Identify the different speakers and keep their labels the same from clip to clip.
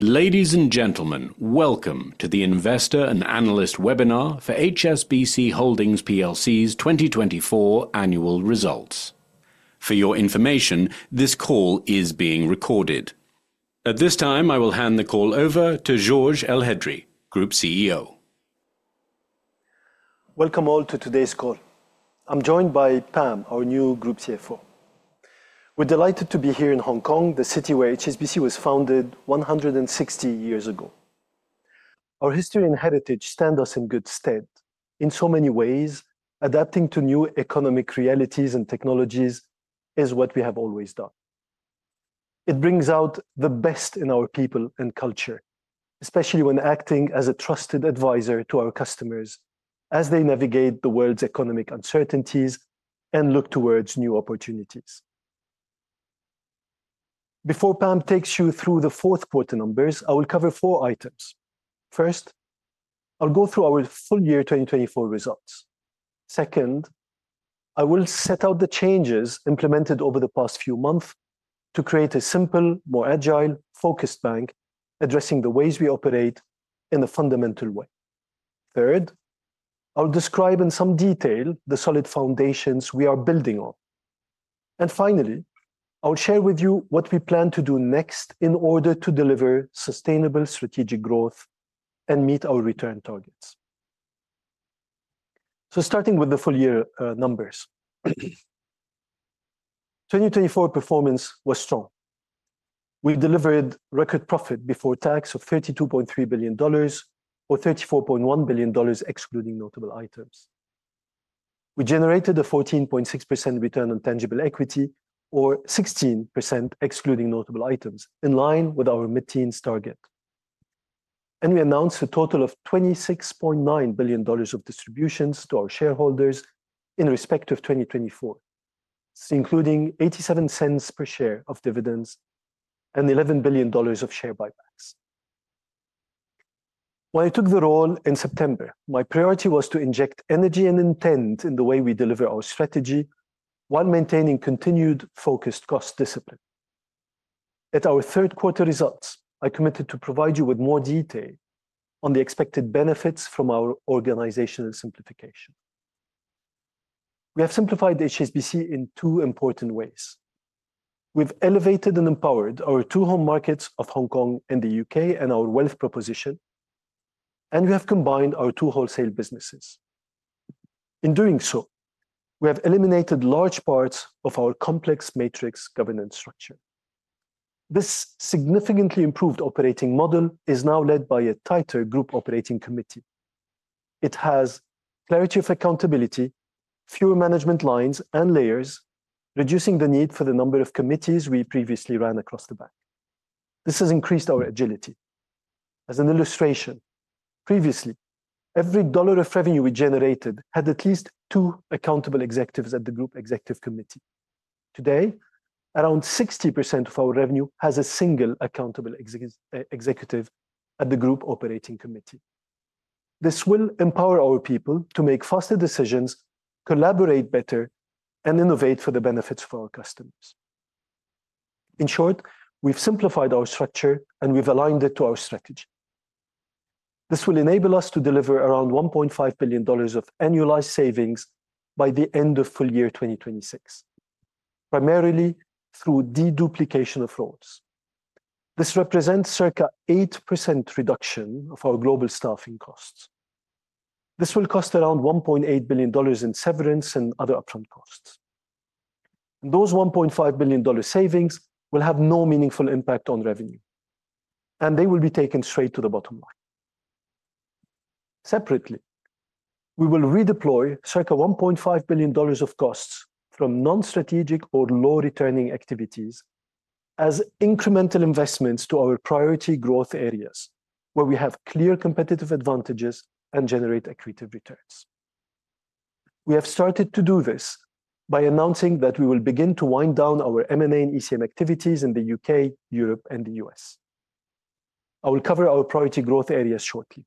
Speaker 1: Ladies and gentlemen, welcome to the investor and analyst webinar for HSBC Holdings PLC's 2024 annual results. For your information, this call is being recorded. At this time, I will hand the call over to Georges Elhedery, Group CEO.
Speaker 2: Welcome all to today's call. I'm joined by Pam, our new Group CFO. We're delighted to be here in Hong Kong, the city where HSBC was founded 160 years ago. Our history and heritage stand us in good stead. In so many ways, adapting to new economic realities and technologies is what we have always done. It brings out the best in our people and culture, especially when acting as a trusted advisor to our customers as they navigate the world's economic uncertainties and look towards new opportunities. Before Pam takes you through the fourth quarter numbers, I will cover four items. First, I'll go through our full year 2024 results. Second, I will set out the changes implemented over the past few months to create a simple, more agile, focused bank addressing the ways we operate in a fundamental way. Third, I'll describe in some detail the solid foundations we are building on. And finally, I'll share with you what we plan to do next in order to deliver sustainable strategic growth and meet our return targets. So starting with the full year numbers, 2024 performance was strong. We delivered record profit before tax of $32.3 billion, or $34.1 billion excluding notable items. We generated a 14.6% return on tangible equity, or 16% excluding notable items, in line with our mid-teens target. And we announced a total of $26.9 billion of distributions to our shareholders in respect of 2024, including $0.87 per share of dividends and $11 billion of share buybacks. When I took the role in September, my priority was to inject energy and intent in the way we deliver our strategy while maintaining continued focused cost discipline. At our third quarter results, I committed to provide you with more detail on the expected benefits from our organizational simplification. We have simplified HSBC in two important ways. We've elevated and empowered our two home markets of Hong Kong and the U.K. and our wealth proposition, and we have combined our two wholesale businesses. In doing so, we have eliminated large parts of our complex matrix governance structure. This significantly improved operating model is now led by a tighter Group Operating Committee. It has clarity of accountability, fewer management lines and layers, reducing the need for the number of committees we previously ran across the bank. This has increased our agility. As an illustration, previously, every dollar of revenue we generated had at least two accountable executives at the Group Executive Committee. Today, around 60% of our revenue has a single accountable executive at the Group Operating Committee. This will empower our people to make faster decisions, collaborate better, and innovate for the benefits of our customers. In short, we've simplified our structure and we've aligned it to our strategy. This will enable us to deliver around $1.5 billion of annualized savings by the end of full year 2026, primarily through deduplication of roles. This represents circa 8% reduction of our global staffing costs. This will cost around $1.8 billion in severance and other upfront costs. Those $1.5 billion savings will have no meaningful impact on revenue, and they will be taken straight to the bottom line. Separately, we will redeploy circa $1.5 billion of costs from non-strategic or low-returning activities as incremental investments to our priority growth areas where we have clear competitive advantages and generate equitable returns. We have started to do this by announcing that we will begin to wind down our M&A and ECM activities in the U.K., Europe, and the U.S. I will cover our priority growth areas shortly.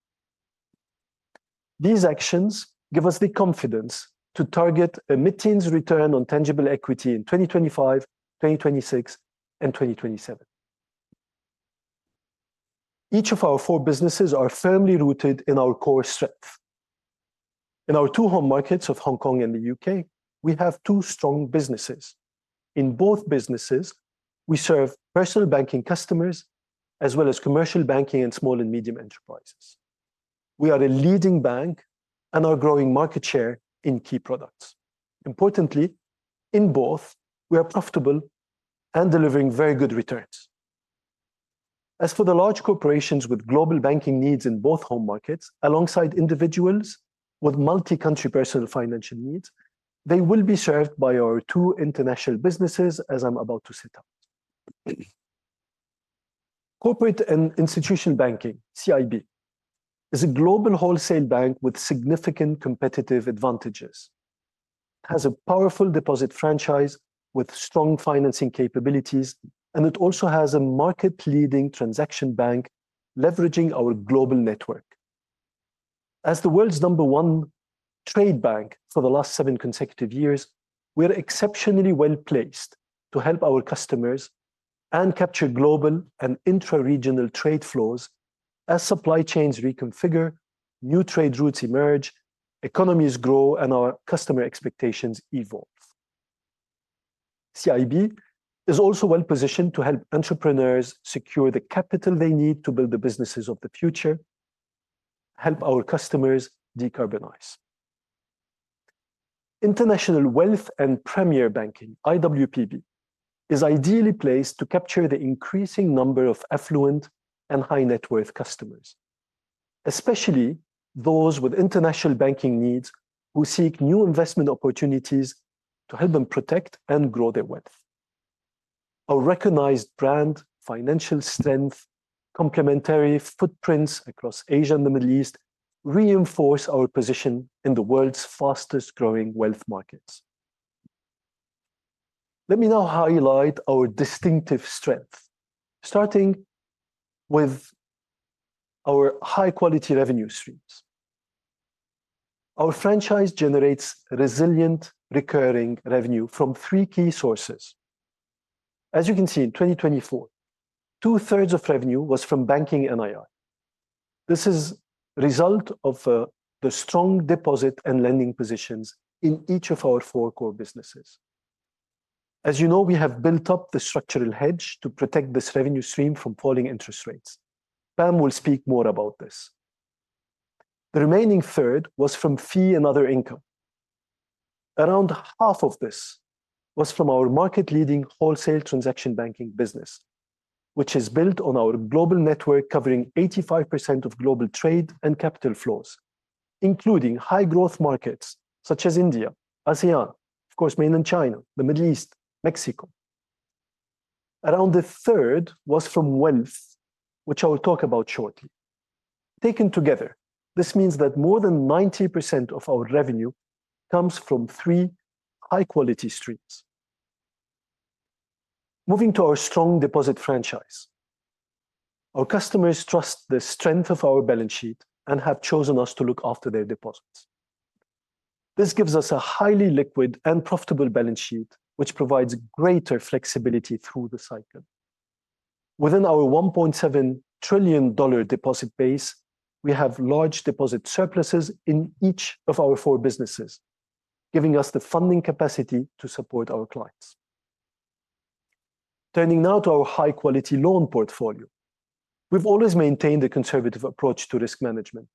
Speaker 2: These actions give us the confidence to target a mid-teens return on tangible equity in 2025, 2026, and 2027. Each of our four businesses is firmly rooted in our core strength. In our two home markets of Hong Kong and the U.K., we have two strong businesses. In both businesses, we serve personal banking customers as well as commercial banking and small and medium enterprises. We are a leading bank and our growing market share in key products. Importantly, in both, we are profitable and delivering very good returns. As for the large corporations with global banking needs in both home markets, alongside individuals with multi-country personal financial needs, they will be served by our two international businesses, as I'm about to set up. Corporate and Institutional Banking, CIB, is a global wholesale bank with significant competitive advantages. It has a powerful deposit franchise with strong financing capabilities, and it also has a market-leading transaction bank leveraging our global network. As the world's number one trade bank for the last seven consecutive years, we are exceptionally well placed to help our customers and capture global and intra-regional trade flows as supply chains reconfigure, new trade routes emerge, economies grow, and our customer expectations evolve. CIB is also well positioned to help entrepreneurs secure the capital they need to build the businesses of the future, help our customers decarbonize. International Wealth and Premier Banking, IWPB, is ideally placed to capture the increasing number of affluent and high-net-worth customers, especially those with international banking needs who seek new investment opportunities to help them protect and grow their wealth. Our recognized brand, financial strength, and complementary footprints across Asia and the Middle East reinforce our position in the world's fastest-growing wealth markets. Let me now highlight our distinctive strength, starting with our high-quality revenue streams. Our franchise generates resilient, recurring revenue from three key sources. As you can see, in 2024, 2/3 of revenue was from banking NII. This is the result of the strong deposit and lending positions in each of our four core businesses. As you know, we have built up the structural hedge to protect this revenue stream from falling interest rates. Pam will speak more about this. The remaining third was from fee and other income. Around half of this was from our market-leading wholesale transaction banking business, which is built on our global network covering 85% of global trade and capital flows, including high-growth markets such as India, ASEAN, of course, mainland China, the Middle East, Mexico. Around a third was from wealth, which I will talk about shortly. Taken together, this means that more than 90% of our revenue comes from three high-quality streams. Moving to our strong deposit franchise, our customers trust the strength of our balance sheet and have chosen us to look after their deposits. This gives us a highly liquid and profitable balance sheet, which provides greater flexibility through the cycle. Within our $1.7 trillion deposit base, we have large deposit surpluses in each of our four businesses, giving us the funding capacity to support our clients. Turning now to our high-quality loan portfolio, we've always maintained a conservative approach to risk management,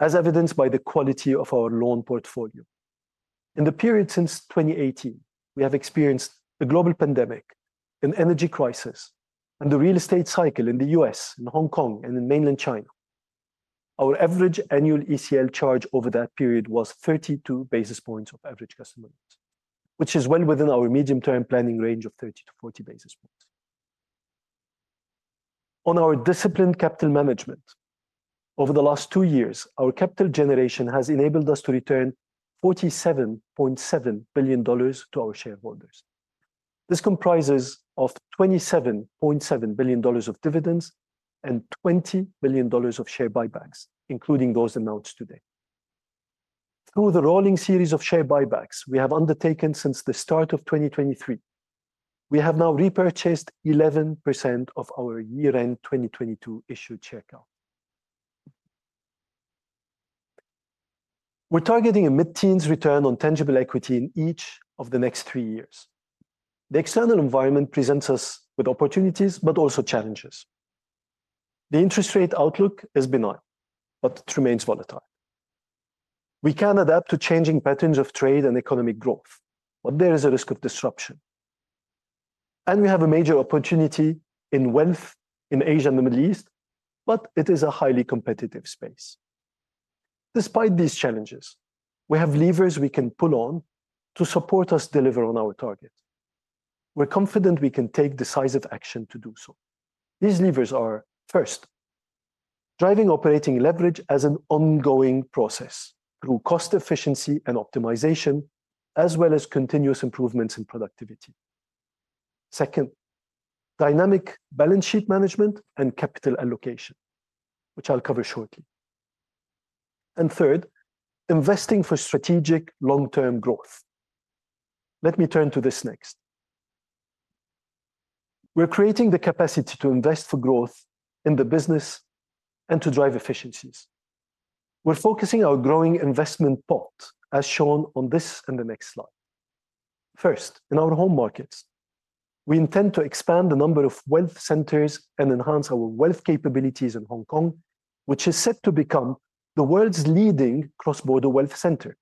Speaker 2: as evidenced by the quality of our loan portfolio. In the period since 2018, we have experienced the global pandemic, an energy crisis, and the real estate cycle in the U.S., in Hong Kong, and in Mainland China. Our average annual ECL charge over that period was 32 basis points of average customer loans, which is well within our medium-term planning range of 30 to 40 basis points. On our disciplined capital management, over the last two years, our capital generation has enabled us to return $47.7 billion to our shareholders. This comprises $27.7 billion of dividends and $20 billion of share buybacks, including those announced today. Through the rolling series of share buybacks we have undertaken since the start of 2023, we have now repurchased 11% of our year-end 2022 issued share count. We're targeting a mid-teens return on tangible equity in each of the next three years. The external environment presents us with opportunities, but also challenges. The interest rate outlook is benign, but it remains volatile. We can adapt to changing patterns of trade and economic growth, but there is a risk of disruption, and we have a major opportunity in wealth in Asia and the Middle East, but it is a highly competitive space. Despite these challenges, we have levers we can pull on to support us deliver on our target. We're confident we can take decisive action to do so. These levers are, first, driving operating leverage as an ongoing process through cost efficiency and optimization, as well as continuous improvements in productivity. Second, dynamic balance sheet management and capital allocation, which I'll cover shortly. And third, investing for strategic long-term growth. Let me turn to this next. We're creating the capacity to invest for growth in the business and to drive efficiencies. We're focusing our growing investment pot, as shown on this and the next slide. First, in our home markets, we intend to expand the number of wealth centers and enhance our wealth capabilities in Hong Kong, which is set to become the world's leading cross-border wealth center.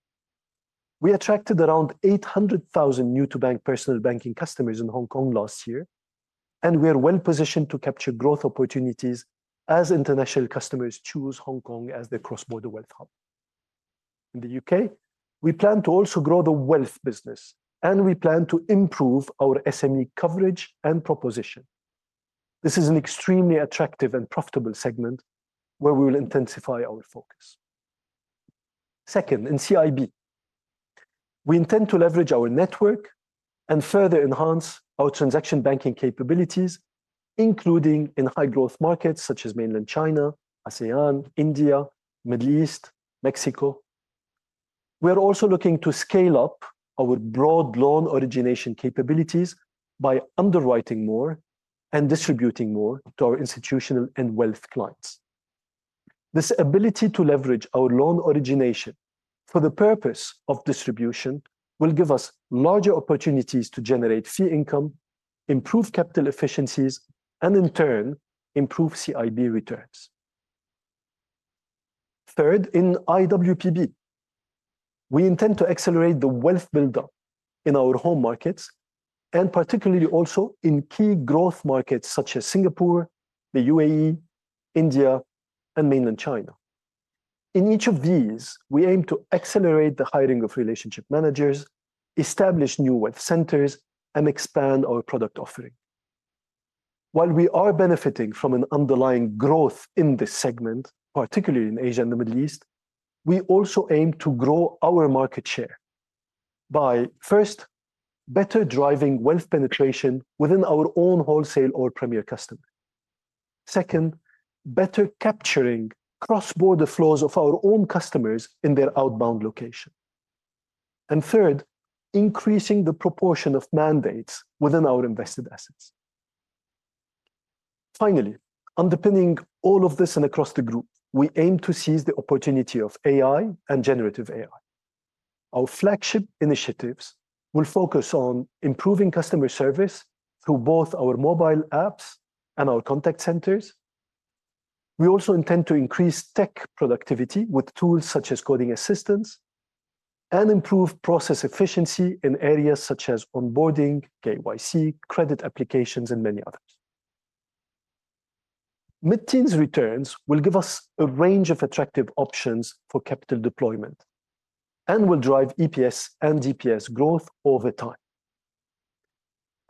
Speaker 2: We attracted around 800,000 new-to-bank personal banking customers in Hong Kong last year, and we are well positioned to capture growth opportunities as international customers choose Hong Kong as their cross-border wealth hub. In the U.K., we plan to also grow the wealth business, and we plan to improve our SME coverage and proposition. This is an extremely attractive and profitable segment where we will intensify our focus. Second, in CIB, we intend to leverage our network and further enhance our transaction banking capabilities, including in high-growth markets such as Mainland China, ASEAN, India, the Middle East, and Mexico. We are also looking to scale up our broad loan origination capabilities by underwriting more and distributing more to our institutional and wealth clients. This ability to leverage our loan origination for the purpose of distribution will give us larger opportunities to generate fee income, improve capital efficiencies, and in turn, improve CIB returns. Third, in IWPB, we intend to accelerate the wealth buildup in our home markets and particularly also in key growth markets such as Singapore, the UAE, India, and Mainland China. In each of these, we aim to accelerate the hiring of relationship managers, establish new wealth centers, and expand our product offering. While we are benefiting from an underlying growth in this segment, particularly in Asia and the Middle East, we also aim to grow our market share by, first, better driving wealth penetration within our own wholesale or premier customers. Second, better capturing cross-border flows of our own customers in their outbound location. And third, increasing the proportion of mandates within our invested assets. Finally, underpinning all of this and across the group, we aim to seize the opportunity of AI and generative AI. Our flagship initiatives will focus on improving customer service through both our mobile apps and our contact centers. We also intend to increase tech productivity with tools such as coding assistance and improve process efficiency in areas such as onboarding, KYC, credit applications, and many others. Mid-teens returns will give us a range of attractive options for capital deployment and will drive EPS and DPS growth over time.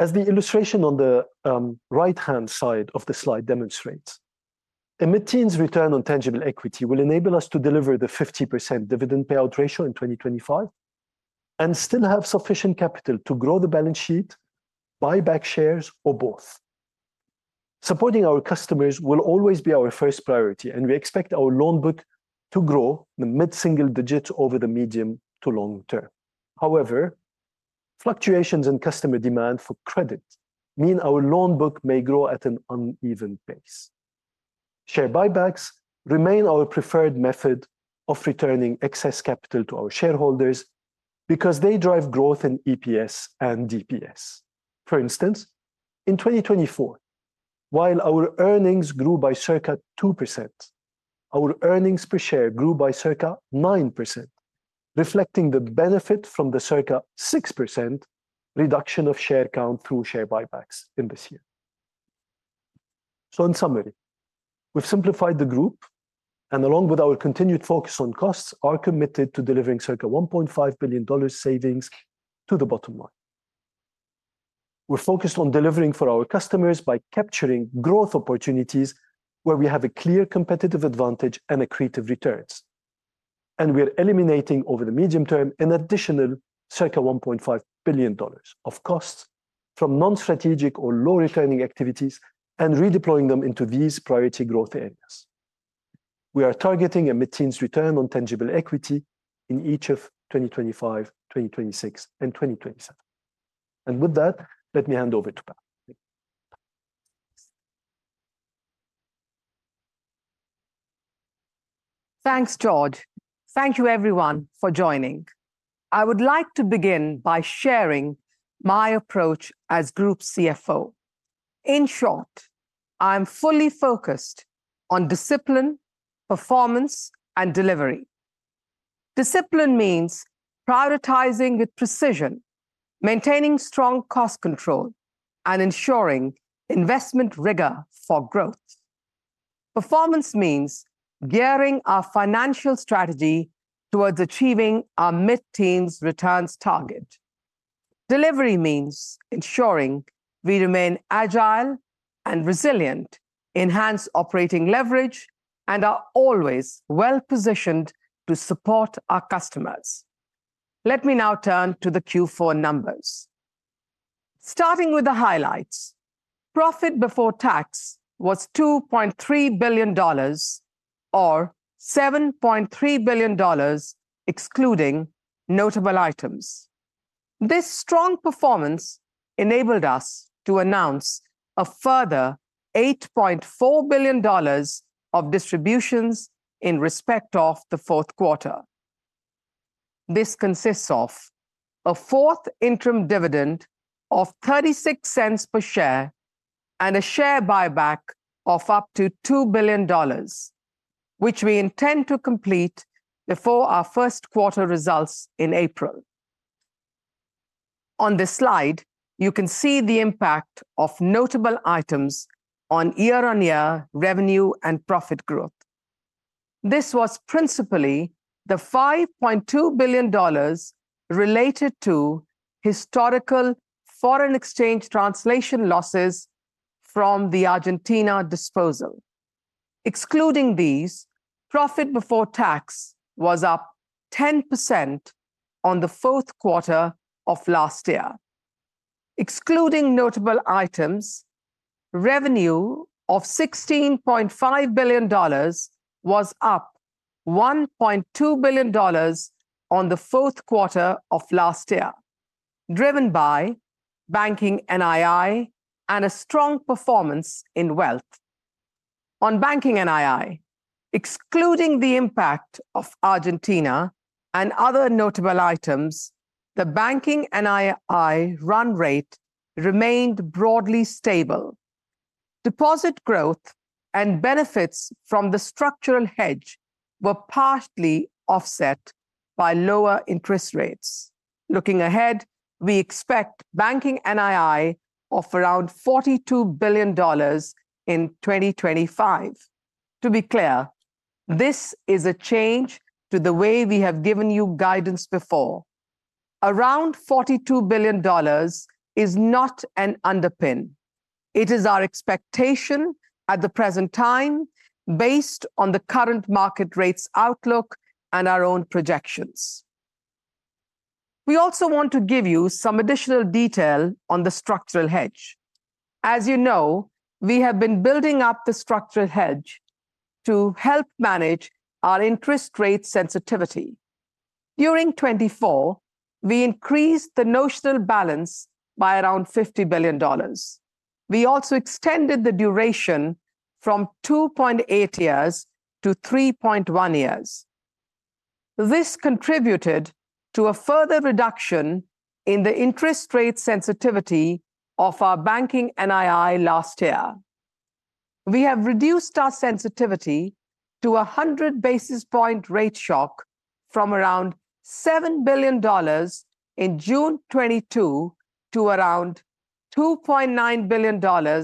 Speaker 2: As the illustration on the right-hand side of the slide demonstrates, a mid-teens return on tangible equity will enable us to deliver the 50% dividend payout ratio in 2025 and still have sufficient capital to grow the balance sheet, buy back shares, or both. Supporting our customers will always be our first priority, and we expect our loan book to grow the mid-single digits over the medium to long term. However, fluctuations in customer demand for credit mean our loan book may grow at an uneven pace. Share buybacks remain our preferred method of returning excess capital to our shareholders because they drive growth in EPS and DPS. For instance, in 2024, while our earnings grew by circa 2%, our earnings per share grew by circa 9%, reflecting the benefit from the circa 6% reduction of share count through share buybacks in this year. So, in summary, we've simplified the group, and along with our continued focus on costs, we are committed to delivering circa $1.5 billion savings to the bottom line. We're focused on delivering for our customers by capturing growth opportunities where we have a clear competitive advantage and accretive returns, and we are eliminating over the medium term an additional circa $1.5 billion of costs from non-strategic or low-returning activities and redeploying them into these priority growth areas. We are targeting a mid-teens return on tangible equity in each of 2025, 2026, and 2027. With that, let me hand over to Pam.
Speaker 3: Thanks, George. Thank you, everyone, for joining. I would like to begin by sharing my approach as Group CFO. In short, I'm fully focused on discipline, performance, and delivery. Discipline means prioritizing with precision, maintaining strong cost control, and ensuring investment rigor for growth. Performance means gearing our financial strategy towards achieving our mid-teens returns target. Delivery means ensuring we remain agile and resilient, enhance operating leverage, and are always well positioned to support our customers. Let me now turn to the Q4 numbers. Starting with the highlights, profit before tax was $2.3 billion, or $7.3 billion excluding notable items. This strong performance enabled us to announce a further $8.4 billion of distributions in respect of the fourth quarter. This consists of a fourth interim dividend of $0.36 per share and a share buyback of up to $2 billion, which we intend to complete before our first quarter results in April. On this slide, you can see the impact of notable items on year-on-year revenue and profit growth. This was principally the $5.2 billion related to historical foreign exchange translation losses from the Argentina disposal. Excluding these, profit before tax was up 10% on the fourth quarter of last year. Excluding notable items, revenue of $16.5 billion was up $1.2 billion on the fourth quarter of last year, driven by banking NII and a strong performance in wealth. On banking NII, excluding the impact of Argentina and other notable items, the banking NII run rate remained broadly stable. Deposit growth and benefits from the structural hedge were partially offset by lower interest rates. Looking ahead, we expect Banking NII of around $42 billion in 2025. To be clear, this is a change to the way we have given you guidance before. Around $42 billion is not an underpin. It is our expectation at the present time, based on the current market rates outlook and our own projections. We also want to give you some additional detail on the structural hedge. As you know, we have been building up the structural hedge to help manage our interest rate sensitivity. During 2024, we increased the notional balance by around $50 billion. We also extended the duration from 2.8 years to 3.1 years. This contributed to a further reduction in the interest rate sensitivity of our Banking NII last year. We have reduced our sensitivity to a 100 basis point rate shock from around $7 billion in June 2022 to around $2.9 billion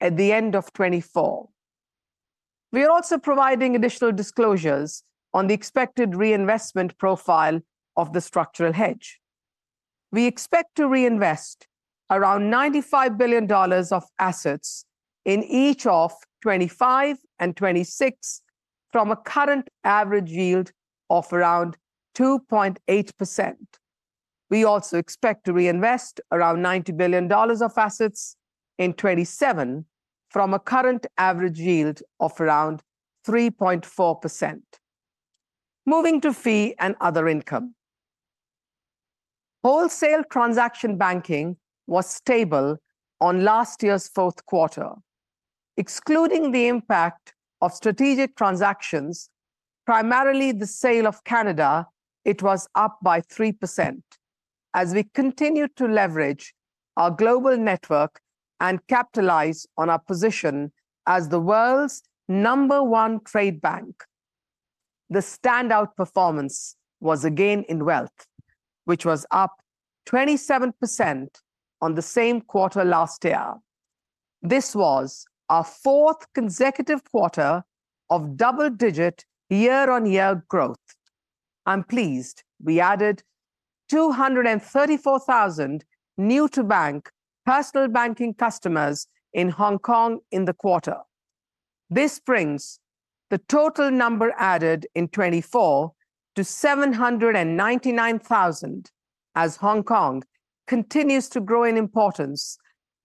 Speaker 3: at the end of 2024. We are also providing additional disclosures on the expected reinvestment profile of the structural hedge. We expect to reinvest around $95 billion of assets in each of 2025 and 2026 from a current average yield of around 2.8%. We also expect to reinvest around $90 billion of assets in 2027 from a current average yield of around 3.4%. Moving to fee and other income, wholesale transaction banking was stable on last year's fourth quarter. Excluding the impact of strategic transactions, primarily the sale of Canada, it was up by 3%. As we continue to leverage our global network and capitalize on our position as the world's number one trade bank, the standout performance was again in wealth, which was up 27% on the same quarter last year. This was our fourth consecutive quarter of double-digit year-on-year growth. I'm pleased we added 234,000 new-to-bank personal banking customers in Hong Kong in the quarter. This brings the total number added in 2024 to 799,000 as Hong Kong continues to grow in importance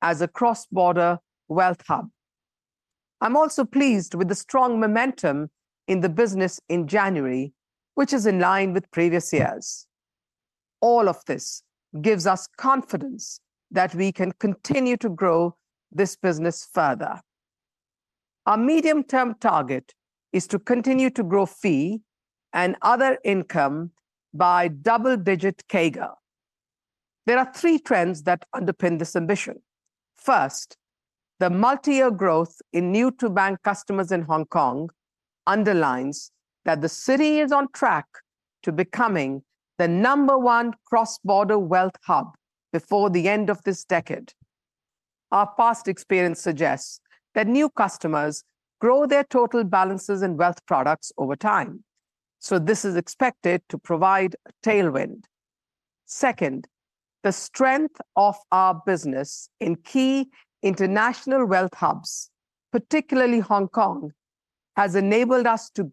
Speaker 3: as a cross-border wealth hub. I'm also pleased with the strong momentum in the business in January, which is in line with previous years. All of this gives us confidence that we can continue to grow this business further. Our medium-term target is to continue to grow fee and other income by double-digit CAGR. There are three trends that underpin this ambition. First, the multi-year growth in new-to-bank customers in Hong Kong underlines that the city is on track to becoming the number one cross-border wealth hub before the end of this decade. Our past experience suggests that new customers grow their total balances and wealth products over time, so this is expected to provide a tailwind. Second, the strength of our business in key international wealth hubs, particularly Hong Kong, has enabled us to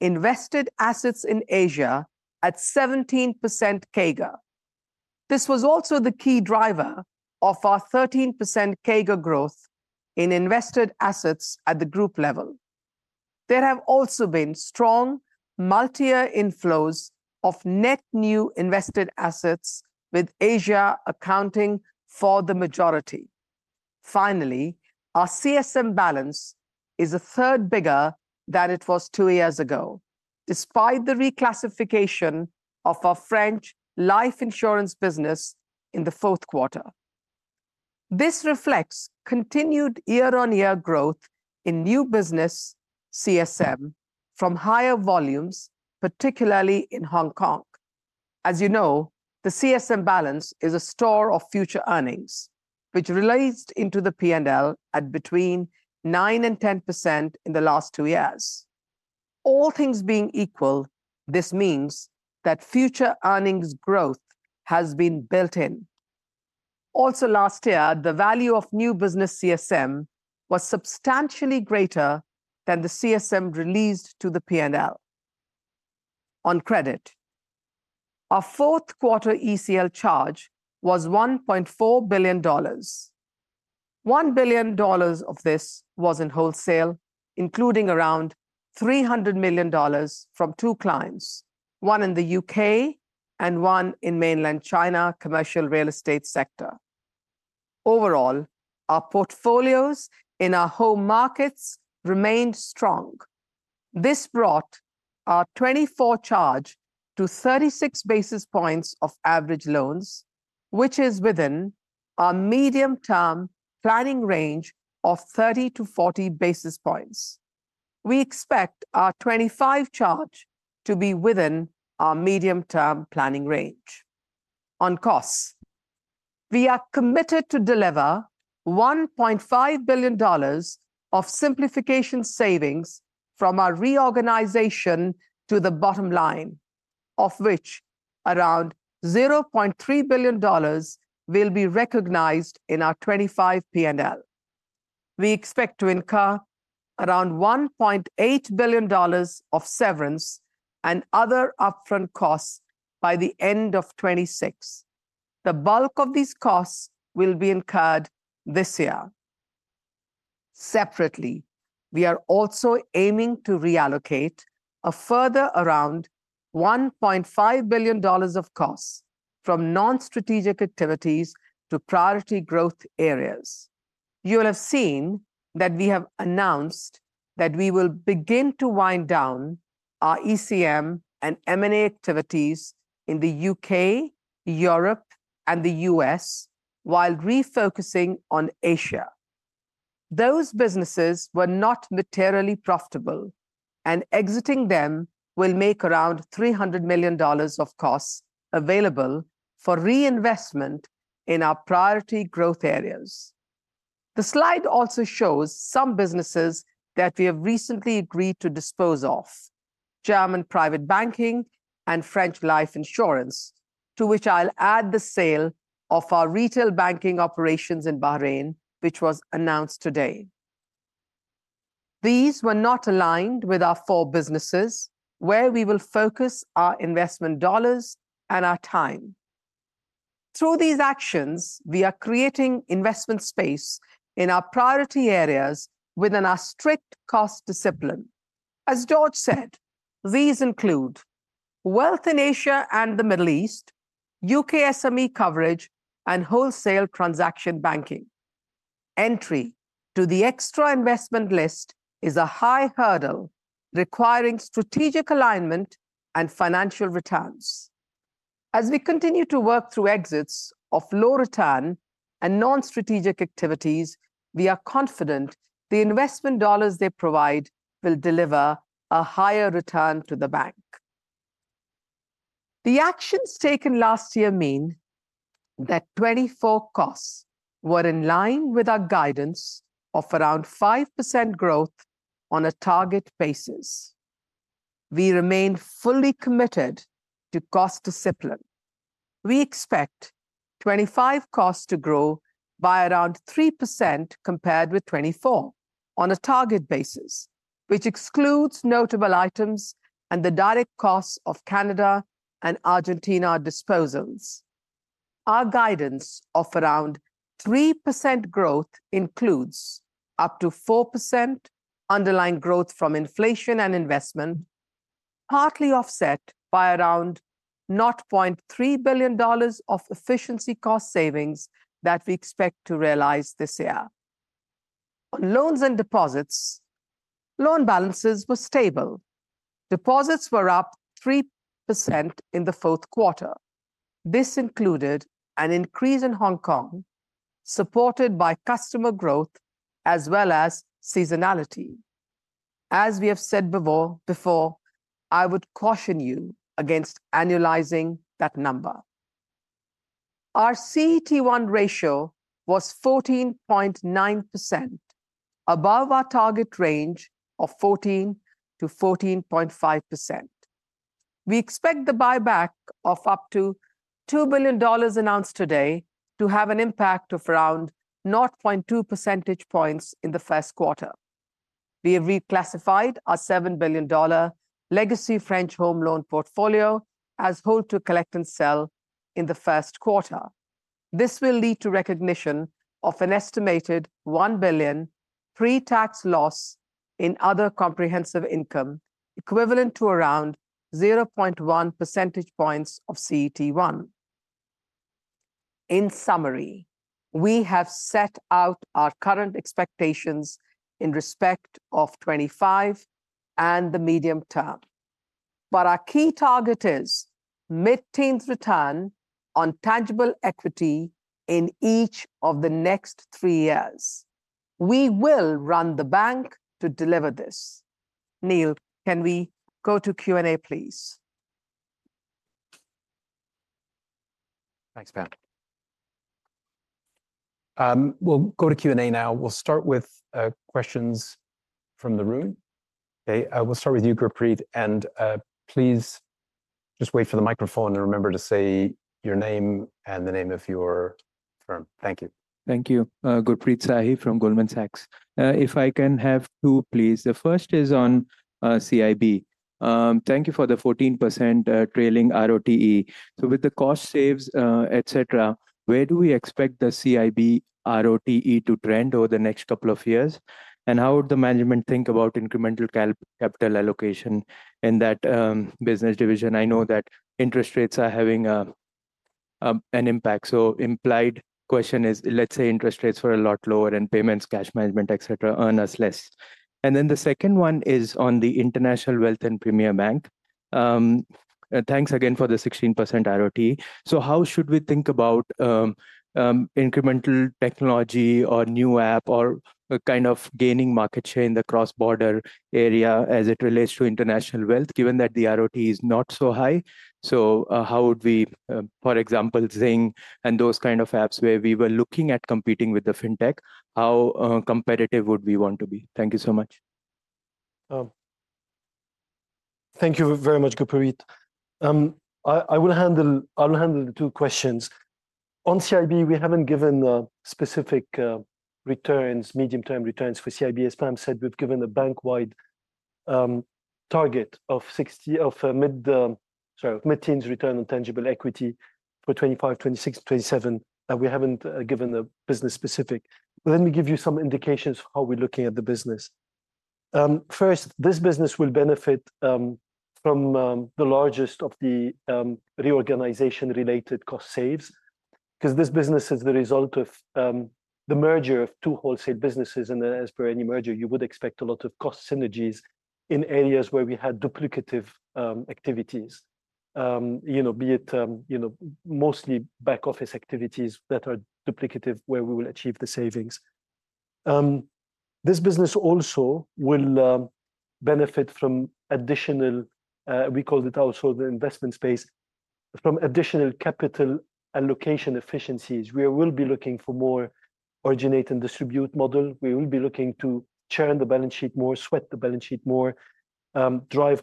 Speaker 3: grow invested assets in Asia at 17% CAGR. This was also the key driver of our 13% CAGR growth in invested assets at the group level. There have also been strong multi-year inflows of net new invested assets, with Asia accounting for the majority. Finally, our CSM balance is a third bigger than it was two years ago, despite the reclassification of our French life insurance business in the fourth quarter. This reflects continued year-on-year growth in new business CSM from higher volumes, particularly in Hong Kong. As you know, the CSM balance is a store of future earnings, which relates into the P&L at between 9% and 10% in the last two years. All things being equal, this means that future earnings growth has been built in. Also, last year, the value of new business CSM was substantially greater than the CSM released to the P&L. On credit, our fourth quarter ECL charge was $1.4 billion. $1 billion of this was in wholesale, including around $300 million from two clients, one in the U.K. and one in Mainland China commercial real estate sector. Overall, our portfolios in our home markets remained strong. This brought our 2024 charge to 36 basis points of average loans, which is within our medium-term planning range of 30-40 basis points. We expect our 2025 charge to be within our medium-term planning range. On costs, we are committed to deliver $1.5 billion of simplification savings from our reorganization to the bottom line, of which around $0.3 billion will be recognized in our 2025 P&L. We expect to incur around $1.8 billion of severance and other upfront costs by the end of 2026. The bulk of these costs will be incurred this year. Separately, we are also aiming to reallocate a further around $1.5 billion of costs from non-strategic activities to priority growth areas. You will have seen that we have announced that we will begin to wind down our ECM and M&A activities in the U.K., Europe, and the U.S., while refocusing on Asia. Those businesses were not materially profitable, and exiting them will make around $300 million of costs available for reinvestment in our priority growth areas. The slide also shows some businesses that we have recently agreed to dispose of: German private banking and French life insurance, to which I'll add the sale of our retail banking operations in Bahrain, which was announced today. These were not aligned with our four businesses, where we will focus our investment dollars and our time. Through these actions, we are creating investment space in our priority areas within our strict cost discipline. As Georges said, these include wealth in Asia and the Middle East, U.K. SME coverage, and wholesale transaction banking. Entry to the extra investment list is a high hurdle requiring strategic alignment and financial returns. As we continue to work through exits of low return and non-strategic activities, we are confident the investment dollars they provide will deliver a higher return to the bank. The actions taken last year mean that 2024 costs were in line with our guidance of around 5% growth on a target basis. We remain fully committed to cost discipline. We expect 2025 costs to grow by around 3% compared with 2024 on a target basis, which excludes notable items and the direct costs of Canada and Argentina disposals. Our guidance of around 3% growth includes up to 4% underlying growth from inflation and investment, partly offset by around $0.3 billion of efficiency cost savings that we expect to realize this year. On loans and deposits, loan balances were stable. Deposits were up 3% in the fourth quarter. This included an increase in Hong Kong, supported by customer growth as well as seasonality. As we have said before, I would caution you against annualizing that number. Our CET1 ratio was 14.9%, above our target range of 14%-14.5%. We expect the buyback of up to $2 billion announced today to have an impact of around 0.2 percentage points in the first quarter. We have reclassified our $7 billion legacy French home loan portfolio as hold to collect and sell in the first quarter. This will lead to recognition of an estimated $1 billion pre-tax loss in other comprehensive income, equivalent to around 0.1 percentage points of CET1. In summary, we have set out our current expectations in respect of 2025 and the medium term. But our key target is mid-teens return on tangible equity in each of the next three years. We will run the bank to deliver this. Neil, can we go to Q&A, please?
Speaker 4: Thanks, Pam. We'll go to Q&A now. We'll start with questions from the room. Okay, we'll start with you, Gurpreet. Please just wait for the microphone and remember to say your name and the name of your firm. Thank you.
Speaker 5: Thank you, Gurpreet Sahi from Goldman Sachs. If I can have two, please. The first is on CIB. Thank you for the 14% trailing RoTE. So with the cost saves, et cetera, where do we expect the CIB RoTE to trend over the next couple of years? And how would the management think about incremental capital allocation in that business division? I know that interest rates are having an impact. So the implied question is, let's say interest rates for a lot lower and payments, cash management, et cetera, earn us less. And then the second one is on the International Wealth and Premier Banking. Thanks again for the 16% RoTE. So how should we think about incremental technology or new app or kind of gaining market share in the cross-border area as it relates to international wealth, given that the RoTE is not so high? So how would we, for example, Zing and those kind of apps where we were looking at competing with the fintech, how competitive would we want to be? Thank you so much.
Speaker 2: Thank you very much, Gurpreet. I will handle the two questions. On CIB, we haven't given specific returns, medium-term returns for CIB. As Pam said, we've given a bank-wide target of mid-teens return on tangible equity for 2025, 2026, 2027. We haven't given a business-specific. But let me give you some indications of how we're looking at the business. First, this business will benefit from the largest of the reorganization-related cost saves because this business is the result of the merger of two wholesale businesses. And as per any merger, you would expect a lot of cost synergies in areas where we had duplicative activities, you know, be it, you know, mostly back-office activities that are duplicative where we will achieve the savings. This business also will benefit from additional, we call it also the investment space, from additional capital allocation efficiencies. We will be looking for more originate and distribute model. We will be looking to churn the balance sheet more, sweat the balance sheet more, drive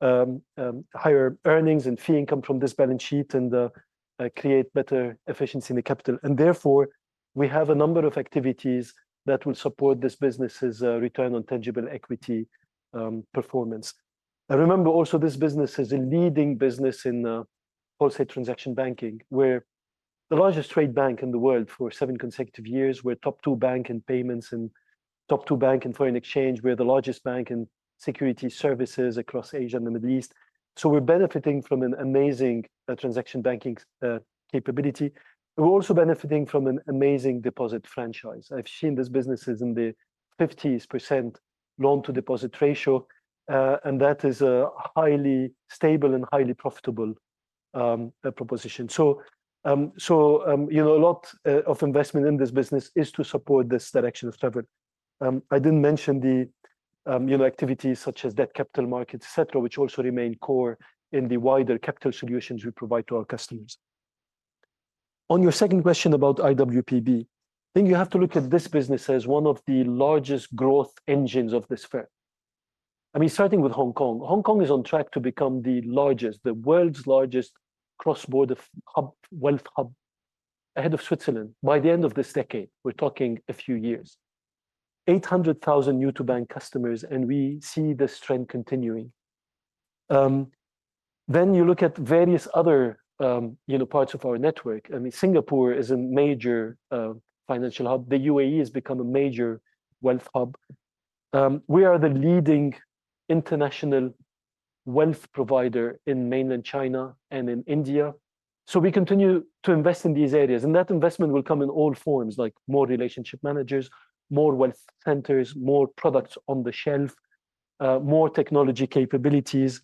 Speaker 2: higher earnings and fee income from this balance sheet, and create better efficiency in the capital. And therefore, we have a number of activities that will support this business's Return on Tangible Equity performance. I remember also this business is a leading business in wholesale transaction banking, where the largest trade bank in the world for seven consecutive years, where top two bank and payments and top two bank and foreign exchange, where the largest bank and security services across Asia and the Middle East. So we're benefiting from an amazing transaction banking capability. We're also benefiting from an amazing deposit franchise. I've seen this business is in the 50% loan-to-deposit ratio, and that is a highly stable and highly profitable proposition. So, you know, a lot of investment in this business is to support this direction of travel. I didn't mention the, you know, activities such as debt capital markets, et cetera, which also remain core in the wider capital solutions we provide to our customers. On your second question about IWPB, I think you have to look at this business as one of the largest growth engines of this firm. I mean, starting with Hong Kong, Hong Kong is on track to become the largest, the world's largest cross-border wealth hub ahead of Switzerland by the end of this decade. We're talking a few years, 800,000 new-to-bank customers, and we see this trend continuing. Then you look at various other, you know, parts of our network. I mean, Singapore is a major financial hub. The UAE has become a major wealth hub. We are the leading international wealth provider in mainland China and in India. So we continue to invest in these areas. And that investment will come in all forms, like more relationship managers, more wealth centers, more products on the shelf, more technology capabilities.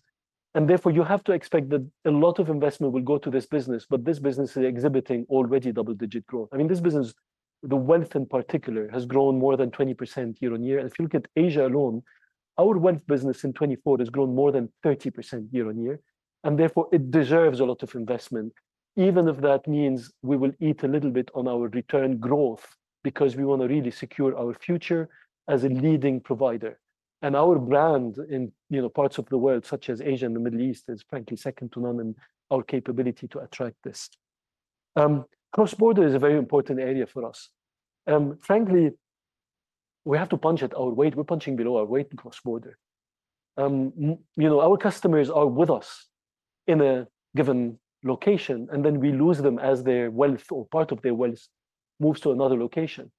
Speaker 2: And therefore, you have to expect that a lot of investment will go to this business. But this business is exhibiting already double-digit growth. I mean, this business, the wealth in particular, has grown more than 20% year-on-year. And if you look at Asia alone, our wealth business in 2024 has grown more than 30% year-on-year. And therefore, it deserves a lot of investment, even if that means we will eat a little bit on our return growth because we want to really secure our future as a leading provider. And our brand in, you know, parts of the world, such as Asia and the Middle East, is frankly second to none in our capability to attract this. Cross-border is a very important area for us. Frankly, we have to punch at our weight. We're punching below our weight in cross-border. You know, our customers are with us in a given location, and then we lose them as their wealth or part of their wealth moves to another location.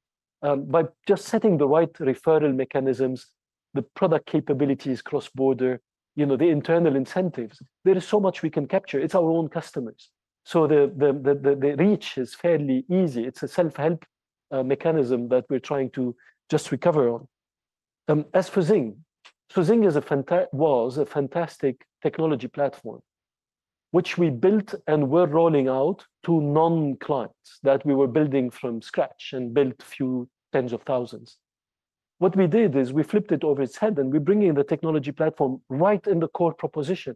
Speaker 2: By just setting the right referral mechanisms, the product capabilities cross-border, you know, the internal incentives, there is so much we can capture. It's our own customers. So the reach is fairly easy. It's a self-help mechanism that we're trying to just recover on. As for Zing, Zing was a fantastic technology platform, which we built and were rolling out to non-clients that we were building from scratch and built a few tens of thousands. What we did is we flipped it over its head, and we're bringing the technology platform right in the core proposition.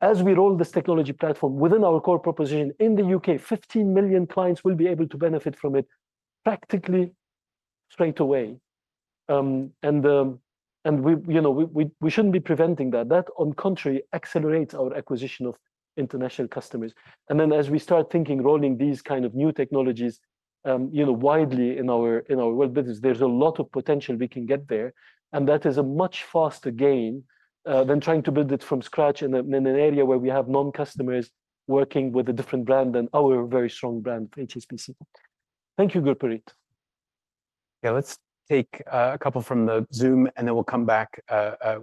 Speaker 2: As we roll this technology platform within our core proposition in the U.K., 15 million clients will be able to benefit from it practically straight away. And we, you know, we shouldn't be preventing that. That, on the contrary, accelerates our acquisition of international customers. And then as we start thinking, rolling these kind of new technologies, you know, widely in our wealth business, there's a lot of potential we can get there. And that is a much faster gain than trying to build it from scratch in an area where we have non-customers working with a different brand than our very strong brand, HSBC.
Speaker 4: Thank you, Gurpreet. Yeah, let's take a couple from the Zoom, and then we'll come back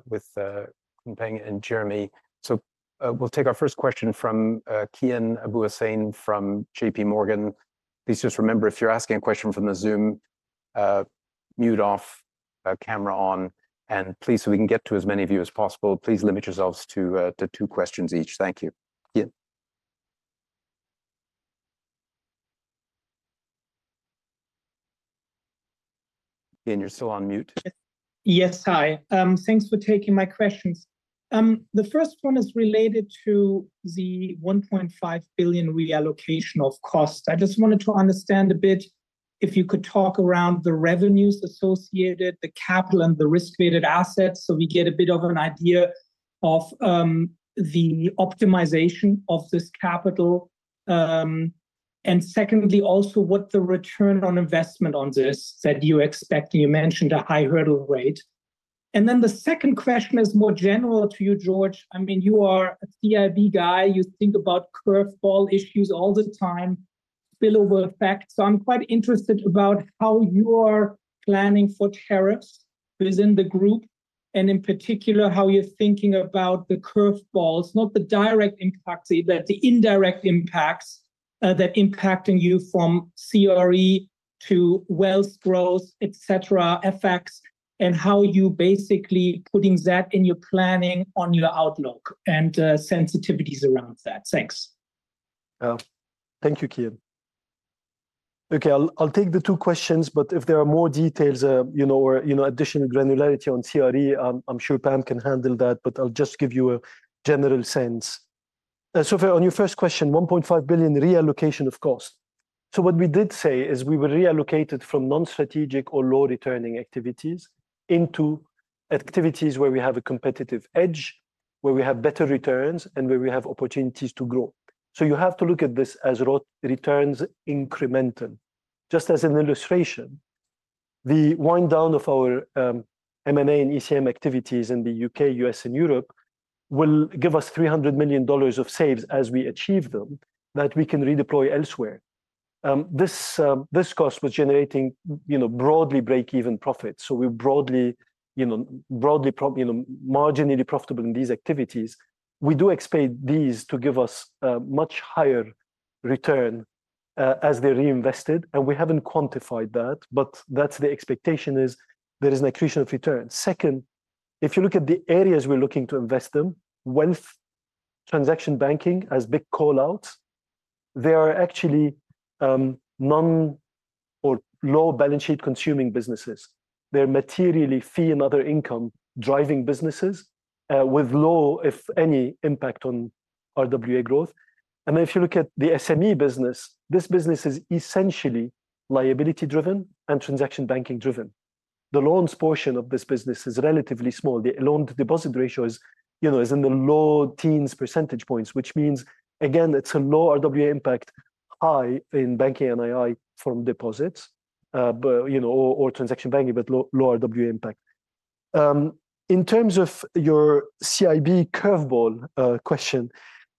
Speaker 4: with Peng and Jeremy. So we'll take our first question from Kian Abouhossein from J.P. Morgan. Please just remember, if you're asking a question from the Zoom, mute off, camera on. And please, so we can get to as many of you as possible, please limit yourselves to two questions each. Thank you. Kian, you're still on mute.
Speaker 6: Yes, hi. Thanks for taking my questions. The first one is related to the $1.5 billion reallocation of costs. I just wanted to understand a bit if you could talk around the revenues associated, the capital, and the risk-weighted assets so we get a bit of an idea of the optimization of this capital. And secondly, also what the return on investment on this that you expect. And you mentioned a high hurdle rate. And then the second question is more general to you, Georges. I mean, you are a CIB guy. You think about curveball issues all the time, spillover effects. So I'm quite interested about how you are planning for tariffs within the group and in particular how you're thinking about the curveballs, not the direct impacts, but the indirect impacts that impact you from CRE to wealth growth, et cetera, effects, and how you basically putting that in your planning on your outlook and sensitivities around that. Thanks.
Speaker 2: Thank you, Kian. Okay, I'll take the two questions, but if there are more details, you know, or, you know, additional granularity on CRE, I'm sure Pam can handle that, but I'll just give you a general sense. So far, on your first question, $1.5 billion reallocation of cost. So what we did say is we were reallocated from non-strategic or low returning activities into activities where we have a competitive edge, where we have better returns, and where we have opportunities to grow. So you have to look at this as incremental returns. Just as an illustration, the wind down of our M&A and ECM activities in the U.K., U.S., and Europe will give us $300 million of savings as we achieve them that we can redeploy elsewhere. This cost was generating, you know, broadly break-even profits. So we're broadly, you know, marginally profitable in these activities. We do expect these to give us a much higher return as they're reinvested. And we haven't quantified that, but that's the expectation is there is an accretion of return. Second, if you look at the areas we're looking to invest them, wealth, transaction banking as big callouts, they are actually non- or low-balance sheet consuming businesses. They're materially fee- and other-income driving businesses with low, if any, impact on RWA growth. And then if you look at the SME business, this business is essentially liability-driven and transaction banking-driven. The loans portion of this business is relatively small. The loan-to-deposit ratio is, you know, in the low teens percentage points, which means, again, it's a low RWA impact, high in banking NII from deposits, you know, or transaction banking, but low RWA impact. In terms of your CIB curveball question,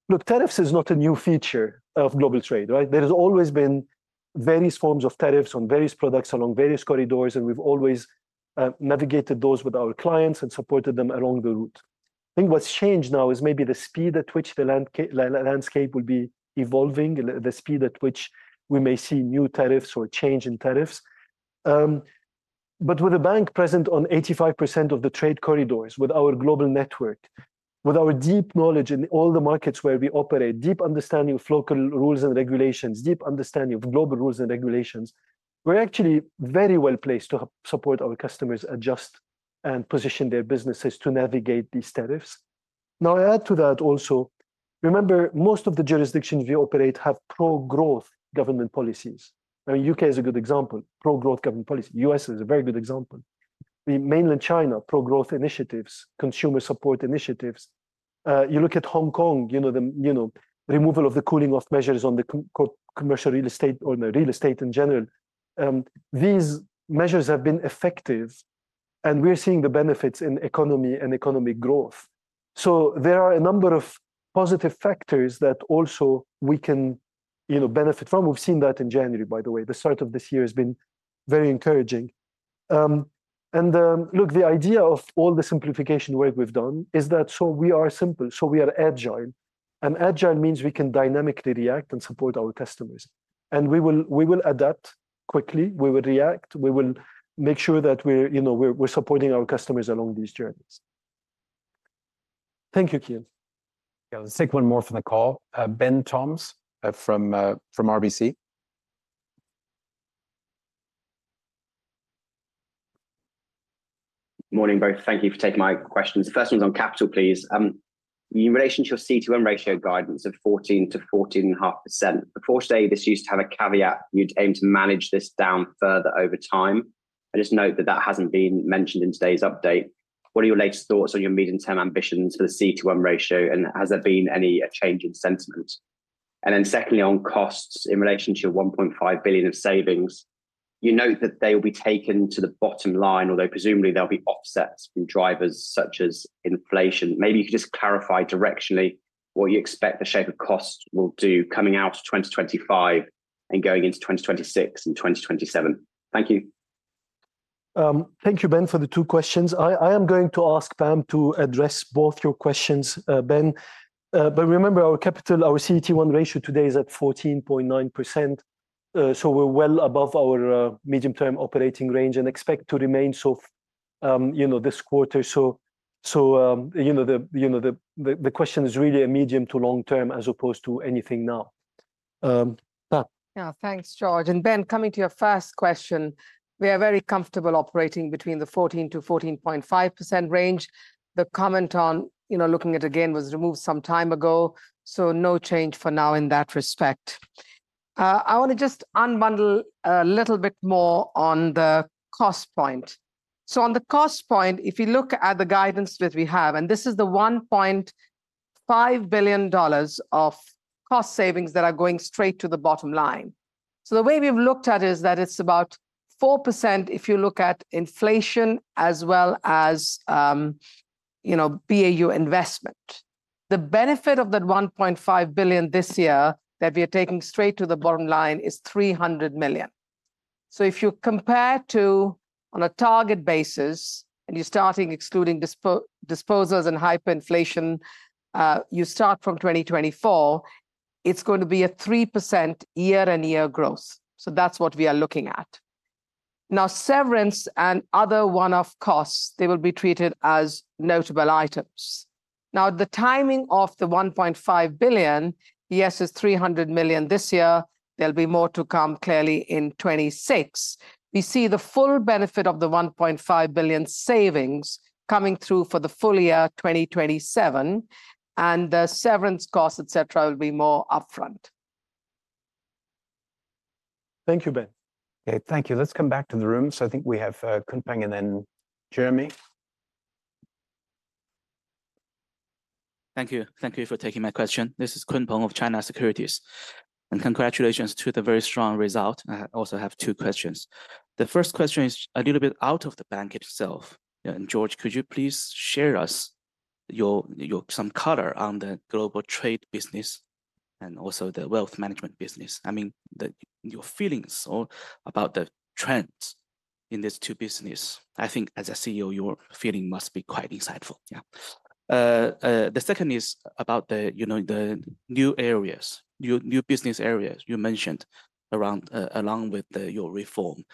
Speaker 2: look, tariffs is not a new feature of global trade, right? There has always been various forms of tariffs on various products along various corridors, and we've always navigated those with our clients and supported them along the route. I think what's changed now is maybe the speed at which the landscape will be evolving, the speed at which we may see new tariffs or change in tariffs. But with a bank present on 85% of the trade corridors, with our global network, with our deep knowledge in all the markets where we operate, deep understanding of local rules and regulations, deep understanding of global rules and regulations, we're actually very well placed to support our customers adjust and position their businesses to navigate these tariffs. Now, I add to that also, remember, most of the jurisdictions we operate have pro-growth government policies. I mean, U.K. is a good example, pro-growth government policy. U.S. is a very good example. The Mainland China, pro-growth initiatives, consumer support initiatives. You look at Hong Kong, you know, the, you know, removal of the cooling-off measures on the commercial real estate or the real estate in general. These measures have been effective, and we're seeing the benefits in economy and economic growth. So there are a number of positive factors that also we can, you know, benefit from. We've seen that in January, by the way. The start of this year has been very encouraging. And look, the idea of all the simplification work we've done is that so we are simple, so we are agile. And agile means we can dynamically react and support our customers. And we will adapt quickly. We will react. We will make sure that we're, you know, we're supporting our customers along these journeys.
Speaker 4: Thank you, Kian. Let's take one more from the call, Ben Toms from RBC.
Speaker 7: Morning, both. Thank you for taking my questions. The first one's on capital, please. In relation to your CET1 ratio guidance of 14%-14.5%, before today, this used to have a caveat. You'd aim to manage this down further over time. I just note that that hasn't been mentioned in today's update. What are your latest thoughts on your medium-term ambitions for the CET1 ratio, and has there been any change in sentiment? And then secondly, on costs, in relation to your $1.5 billion of savings, you note that they will be taken to the bottom line, although presumably there'll be offsets from drivers such as inflation. Maybe you could just clarify directionally what you expect the shape of costs will do coming out of 2025 and going into 2026 and 2027. Thank you.
Speaker 2: Thank you, Ben, for the two questions. I am going to ask Pam to address both your questions, Ben. But remember, our capital, our CET1 ratio today is at 14.9%. So we're well above our medium-term operating range and expect to remain so, you know, this quarter. So, you know, the, you know, the question is really a medium to long term as opposed to anything now.
Speaker 3: Yeah, thanks, George. And Ben, coming to your first question, we are very comfortable operating between the 14%-14.5% range. The comment on, you know, looking at it again was removed some time ago. So no change for now in that respect. I want to just unbundle a little bit more on the cost point. So on the cost point, if you look at the guidance that we have, and this is the $1.5 billion of cost savings that are going straight to the bottom line. So the way we've looked at it is that it's about 4% if you look at inflation as well as, you know, BAU investment. The benefit of that $1.5 billion this year that we are taking straight to the bottom line is $300 million. So if you compare to on a target basis and you're starting excluding disposals and hyperinflation, you start from 2024, it's going to be a 3% year-on-year growth. So that's what we are looking at. Now, severance and other one-off costs, they will be treated as notable items. Now, the timing of the $1.5 billion, yes, is $300 million this year. There'll be more to come clearly in 2026. We see the full benefit of the $1.5 billion savings coming through for the full year 2027, and the severance costs, et cetera, will be more upfront.
Speaker 4: Thank you, Ben. Okay, thank you. Let's come back to the room. So I think we have Kunpeng and then Jeremy.
Speaker 8: Thank you. Thank you for taking my question. This is Kunpeng of China Securities. And congratulations to the very strong result. I also have two questions. The first question is a little bit out of the bank itself. And Georges, could you please share us your some color on the global trade business and also the wealth management business? I mean, your feelings about the trends in these two businesses. I think as a CEO, your feeling must be quite insightful. Yeah. The second is about the, you know, the new business areas you mentioned around along with your reform.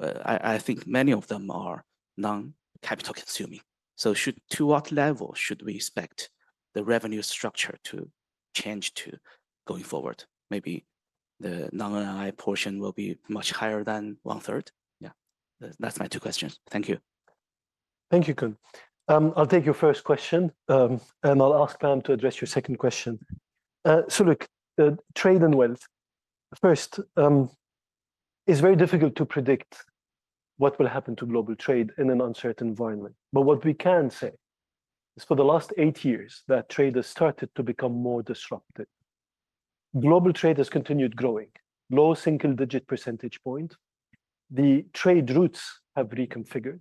Speaker 8: I think many of them are non-capital consuming. So to what level should we expect the revenue structure to change to going forward? Maybe the non-cap portion will be much higher than one-third. Yeah. That's my two questions. Thank you.
Speaker 2: Thank you, Kun. I'll take your first question, and I'll ask Pam to address your second question. So look, trade and wealth, first, it's very difficult to predict what will happen to global trade in an uncertain environment. But what we can say is for the last eight years that trade has started to become more disruptive. Global trade has continued growing, low single-digit percentage point. The trade routes have reconfigured.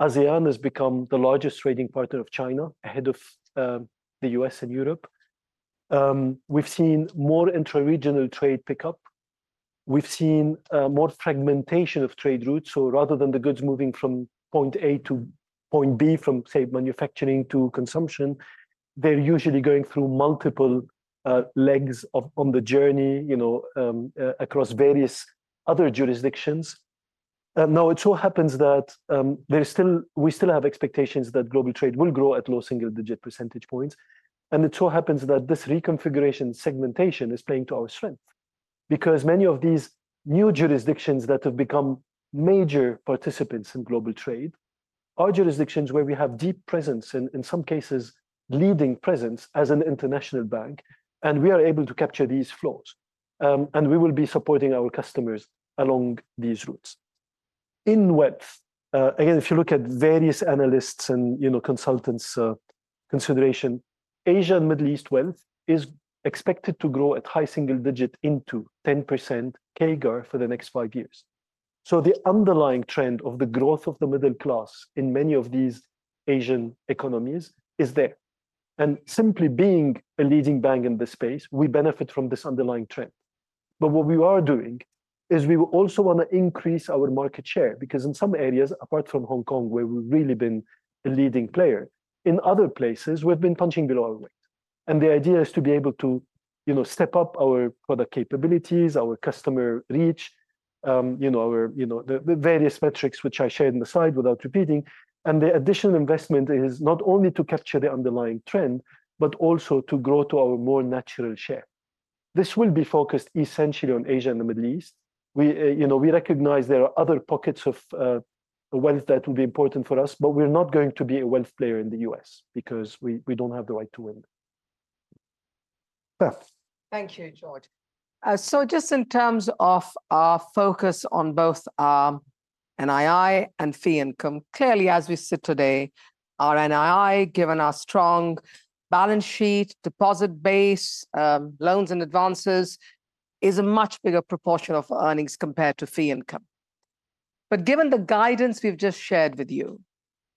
Speaker 2: ASEAN has become the largest trading partner of China ahead of the U.S. and Europe. We've seen more intra-regional trade pickup. We've seen more fragmentation of trade routes. So rather than the goods moving from point A to point B, from, say, manufacturing to consumption, they're usually going through multiple legs of on the journey, you know, across various other jurisdictions. Now, it so happens that there's still, we still have expectations that global trade will grow at low single-digit percentage points. It so happens that this reconfiguration segmentation is playing to our strength because many of these new jurisdictions that have become major participants in global trade are jurisdictions where we have deep presence and in some cases leading presence as an international bank. We are able to capture these flows. We will be supporting our customers along these routes. In wealth, again, if you look at various analysts and, you know, consultants' consideration, Asia and Middle East wealth is expected to grow at high single digit into 10% CAGR for the next five years. The underlying trend of the growth of the middle class in many of these Asian economies is there. Simply being a leading bank in this space, we benefit from this underlying trend. But what we are doing is we also want to increase our market share because in some areas, apart from Hong Kong, where we've really been a leading player, in other places, we've been punching below our weight. And the idea is to be able to, you know, step up our product capabilities, our customer reach, you know, our, you know, the various metrics which I shared on the side without repeating. And the additional investment is not only to capture the underlying trend, but also to grow to our more natural share. This will be focused essentially on Asia and the Middle East. We, you know, we recognize there are other pockets of wealth that will be important for us, but we're not going to be a wealth player in the U.S. because we don't have the right to win.
Speaker 3: Thank you, George. So just in terms of our focus on both our NII and fee income, clearly as we sit today, our NII, given our strong balance sheet, deposit base, loans and advances, is a much bigger proportion of earnings compared to fee income. But given the guidance we've just shared with you,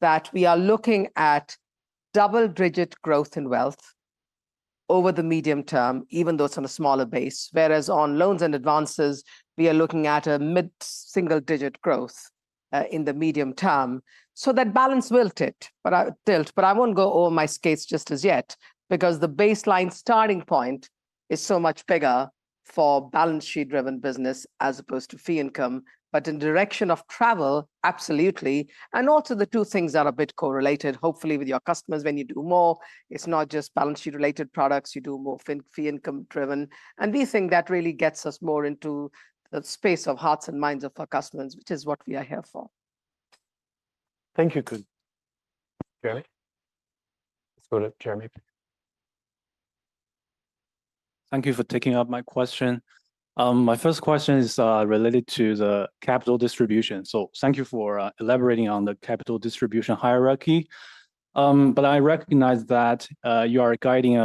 Speaker 3: that we are looking at double-digit growth in wealth over the medium term, even though it's on a smaller base, whereas on loans and advances, we are looking at a mid-single-digit growth in the medium term. So that balance will tilt, but I won't go over my skis just as yet because the baseline starting point is so much bigger for balance sheet-driven business as opposed to fee income. But in the direction of travel, absolutely. And also the two things are a bit correlated, hopefully with your customers when you do more. It's not just balance sheet-related products. You do more fee income-driven. And we think that really gets us more into the space of hearts and minds of our customers, which is what we are here for.
Speaker 4: Thank you, Kun. Jeremy. Let's go to Jeremy. Thank you for taking up my question. My first question is related to the capital distribution. So thank you for elaborating on the capital distribution hierarchy. But I recognize that you are guiding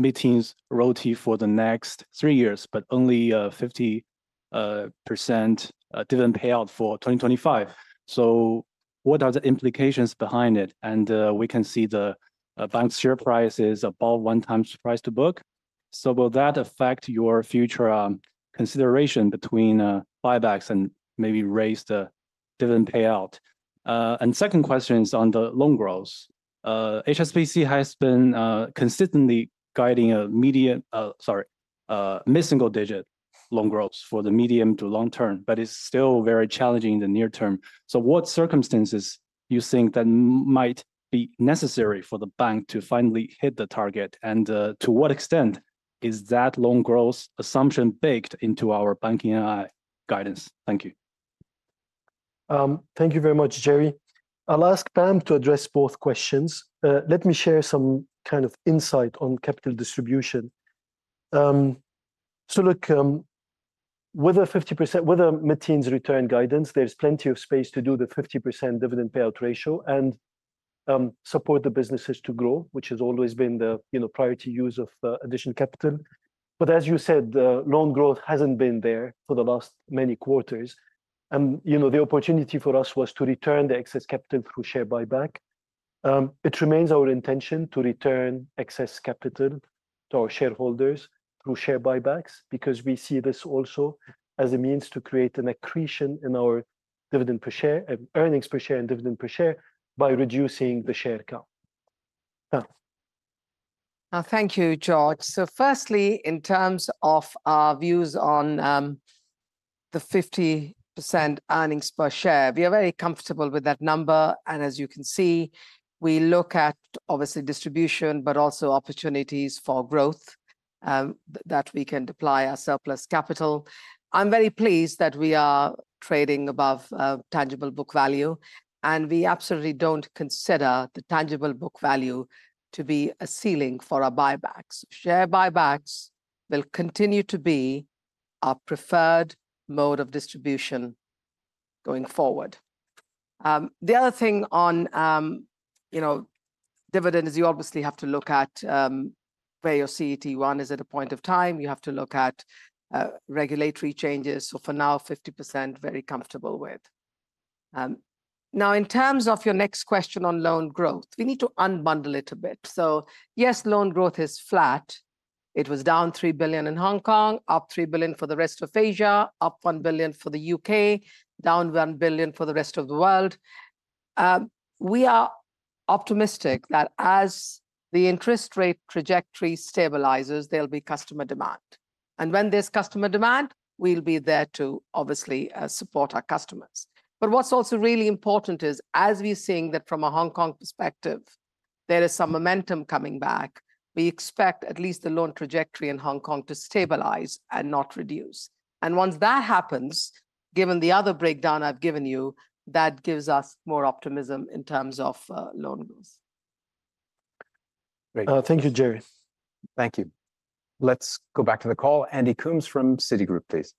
Speaker 4: a mid-teens RoTE for the next three years, but only 50% dividend payout for 2025. So what are the implications behind it? And we can see the bank's share price is above one times price to book. So will that affect your future consideration between buybacks and maybe raise the dividend payout? And second question is on the loan growth. HSBC has been consistently guiding a median, sorry, mid-single-digit loan growth for the medium to long term, but it's still very challenging in the near term. So what circumstances do you think that might be necessary for the bank to finally hit the target? And to what extent is that loan growth assumption baked into our banking NII guidance? Thank you.
Speaker 2: Thank you very much, Jeremy. I'll ask Pam to address both questions. Let me share some kind of insight on capital distribution. So look, with a 50%, with a mid-teens return guidance, there's plenty of space to do the 50% dividend payout ratio and support the businesses to grow, which has always been the, you know, priority use of additional capital. But as you said, the loan growth hasn't been there for the last many quarters. You know, the opportunity for us was to return the excess capital through share buyback. It remains our intention to return excess capital to our shareholders through share buybacks because we see this also as a means to create an accretion in our dividend per share, earnings per share, and dividend per share by reducing the share count.
Speaker 3: Thank you, Georges. Firstly, in terms of our views on the 50% earnings per share, we are very comfortable with that number. As you can see, we look at obviously distribution, but also opportunities for growth that we can deploy our surplus capital. I'm very pleased that we are trading above tangible book value. We absolutely don't consider the tangible book value to be a ceiling for our buybacks. Share buybacks will continue to be our preferred mode of distribution going forward. The other thing on, you know, dividend is you obviously have to look at where your CET1 is at a point of time. You have to look at regulatory changes. So for now, 50% very comfortable with. Now, in terms of your next question on loan growth, we need to unbundle it a bit. So yes, loan growth is flat. It was down $3 billion in Hong Kong, up $3 billion for the rest of Asia, up $1 billion for the U.K., down $1 billion for the rest of the world. We are optimistic that as the interest rate trajectory stabilizes, there'll be customer demand. And when there's customer demand, we'll be there to obviously support our customers. But what's also really important is as we're seeing that from a Hong Kong perspective, there is some momentum coming back. We expect at least the loan trajectory in Hong Kong to stabilize and not reduce. And once that happens, given the other breakdown I've given you, that gives us more optimism in terms of loan growth.
Speaker 4: Great. Thank you, Jeremy. Thank you. Let's go back to the call. Andy Coombs from Citigroup, please.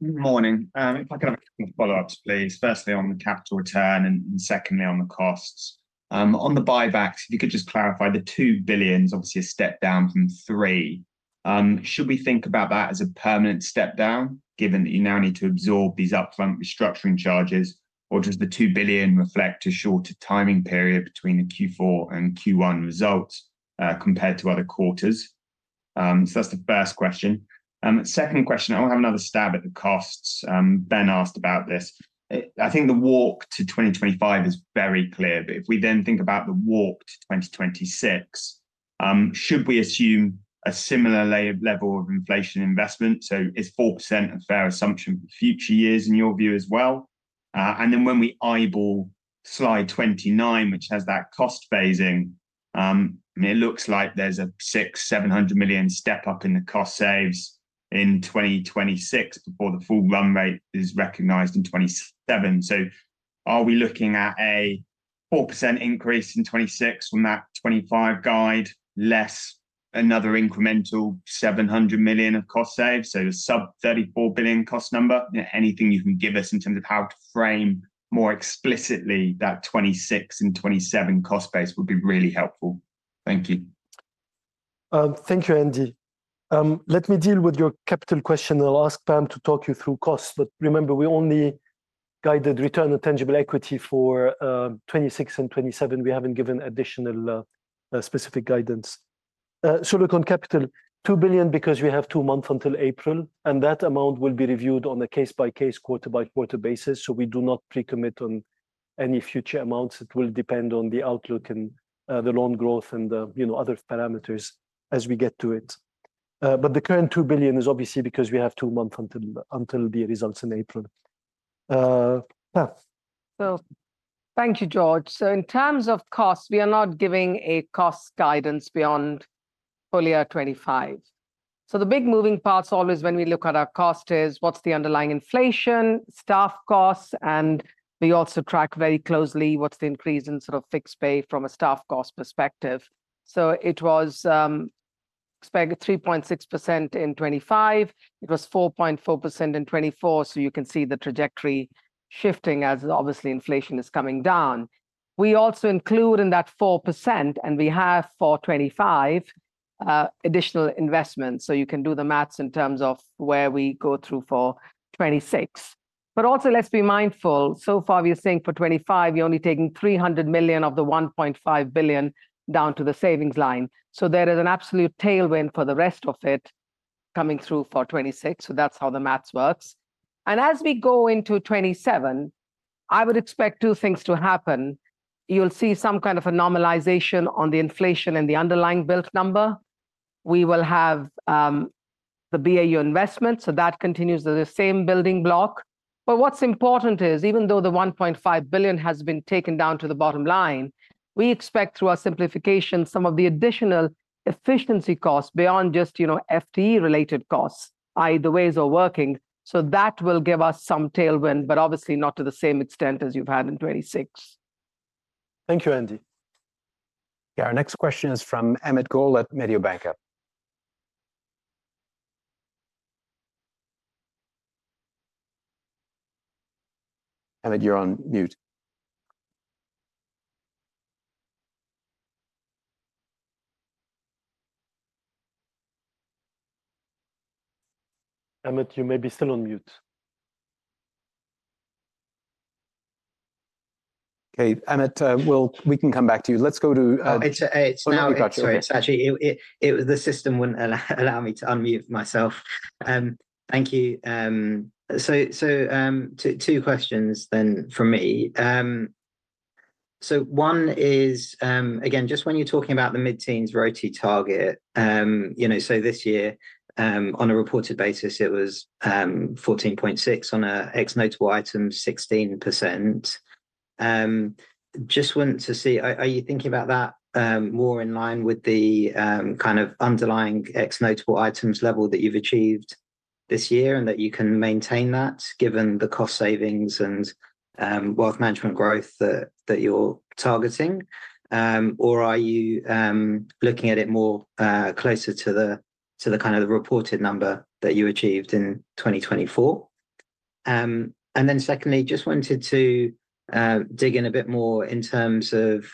Speaker 9: Good morning. If I can have a couple of follow-ups, please. Firstly, on the capital return and secondly, on the costs. On the buybacks, if you could just clarify the $2 billion, obviously a step down from $3 billion. Should we think about that as a permanent step down given that you now need to absorb these upfront restructuring charges? Or does the $2 billion reflect a shorter timing period between the Q4 and Q1 results compared to other quarters? So that's the first question. Second question, I want to have another stab at the costs. Ben asked about this. I think the walk to 2025 is very clear. But if we then think about the walk to 2026, should we assume a similar level of inflation investment? So is 4% a fair assumption for future years in your view as well? And then when we eyeball slide 29, which has that cost phasing, it looks like there's a $6,700 million step up in the cost saves in 2026 before the full run rate is recognized in 2027. So are we looking at a 4% increase in 2026 from that 2025 guide, less another incremental $700 million of cost saves? So a sub-$34 billion cost number. Anything you can give us in terms of how to frame more explicitly that 2026 and 2027 cost base would be really helpful. Thank you.
Speaker 2: Thank you, Andy. Let me deal with your capital question. I'll ask Pam to talk you through costs. But remember, we only guided return on tangible equity for 2026 and 2027. We haven't given additional specific guidance. So look on capital, $2 billion because we have two months until April. And that amount will be reviewed on a case-by-case, quarter-by-quarter basis. So we do not pre-commit on any future amounts. It will depend on the outlook and the loan growth and the, you know, other parameters as we get to it. But the current $2 billion is obviously because we have two months until the results in April.
Speaker 3: So thank you, George. So in terms of costs, we are not giving a cost guidance beyond full year 25. So the big moving parts always when we look at our cost is what's the underlying inflation, staff costs, and we also track very closely what's the increase in sort of fixed pay from a staff cost perspective. So it was expected 3.6% in 2025. It was 4.4% in 2024. So you can see the trajectory shifting as obviously inflation is coming down. We also include in that 4% and we have for 2025 additional investments. So you can do the math in terms of where we go through for 2026. But also let's be mindful. So far we are seeing for 2025, we're only taking $300 million of the $1.5 billion down to the savings line. So there is an absolute tailwind for the rest of it coming through for 2026. So that's how the math works. As we go into 2027, I would expect two things to happen. You'll see some kind of a normalization on the inflation and the underlying built number. We will have the BAU investment. So that continues as the same building block. But what's important is even though the $1.5 billion has been taken down to the bottom line, we expect through our simplification, some of the additional efficiency costs beyond just, you know, FTE-related costs, i.e., the ways of working. So that will give us some tailwind, but obviously not to the same extent as you've had in 2026.
Speaker 4: Thank you, Andy. Yeah, our next question is from Amit Goel at Mediobanca.
Speaker 2: Amit, you're on mute.
Speaker 4: Amit, you may be still on mute.
Speaker 2: Okay, Amit, we can come back to you. Let's go to...
Speaker 10: Sorry, sorry, it was the system wouldn't allow me to unmute myself. Thank you. So, so two questions then for me. So one is, again, just when you're talking about the mid-teens RoTE target, you know, so this year on a reported basis, it was 14.6% on an ex-notable items basis, 16%. Just want to see, are you thinking about that more in line with the kind of underlying ex-notable items level that you've achieved this year and that you can maintain that given the cost savings and wealth management growth that you're targeting? Or are you looking at it more closer to the kind of the reported number that you achieved in 2024? And then secondly, just wanted to dig in a bit more in terms of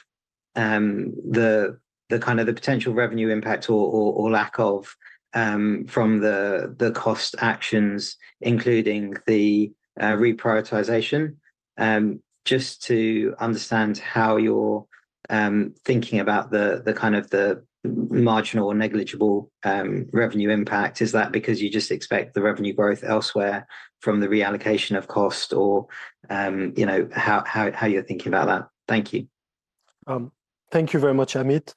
Speaker 10: the kind of the potential revenue impact or lack of from the cost actions, including the reprioritization, just to understand how you're thinking about the kind of the marginal or negligible revenue impact. Is that because you just expect the revenue growth elsewhere from the reallocation of cost or, you know, how you're thinking about that? Thank you.
Speaker 2: Thank you very much, Amit.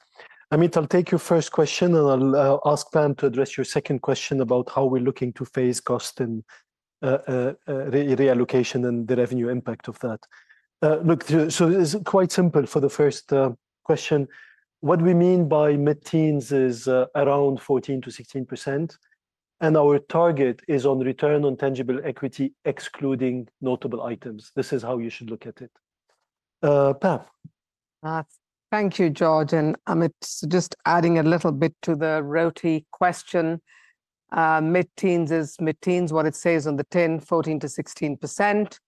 Speaker 2: Amit, I'll take your first question and I'll ask Pam to address your second question about how we're looking to phase cost and reallocation and the revenue impact of that. Look, so it's quite simple for the first question. What we mean by mid-teens is around 14%-16%. Our target is on return on tangible equity, excluding notable items. This is how you should look at it. Pam.
Speaker 3: Thank you, George. Amit's just adding a little bit to the RoTE question. Mid-teens is mid-teens, what it says on the tin, 14%-16%.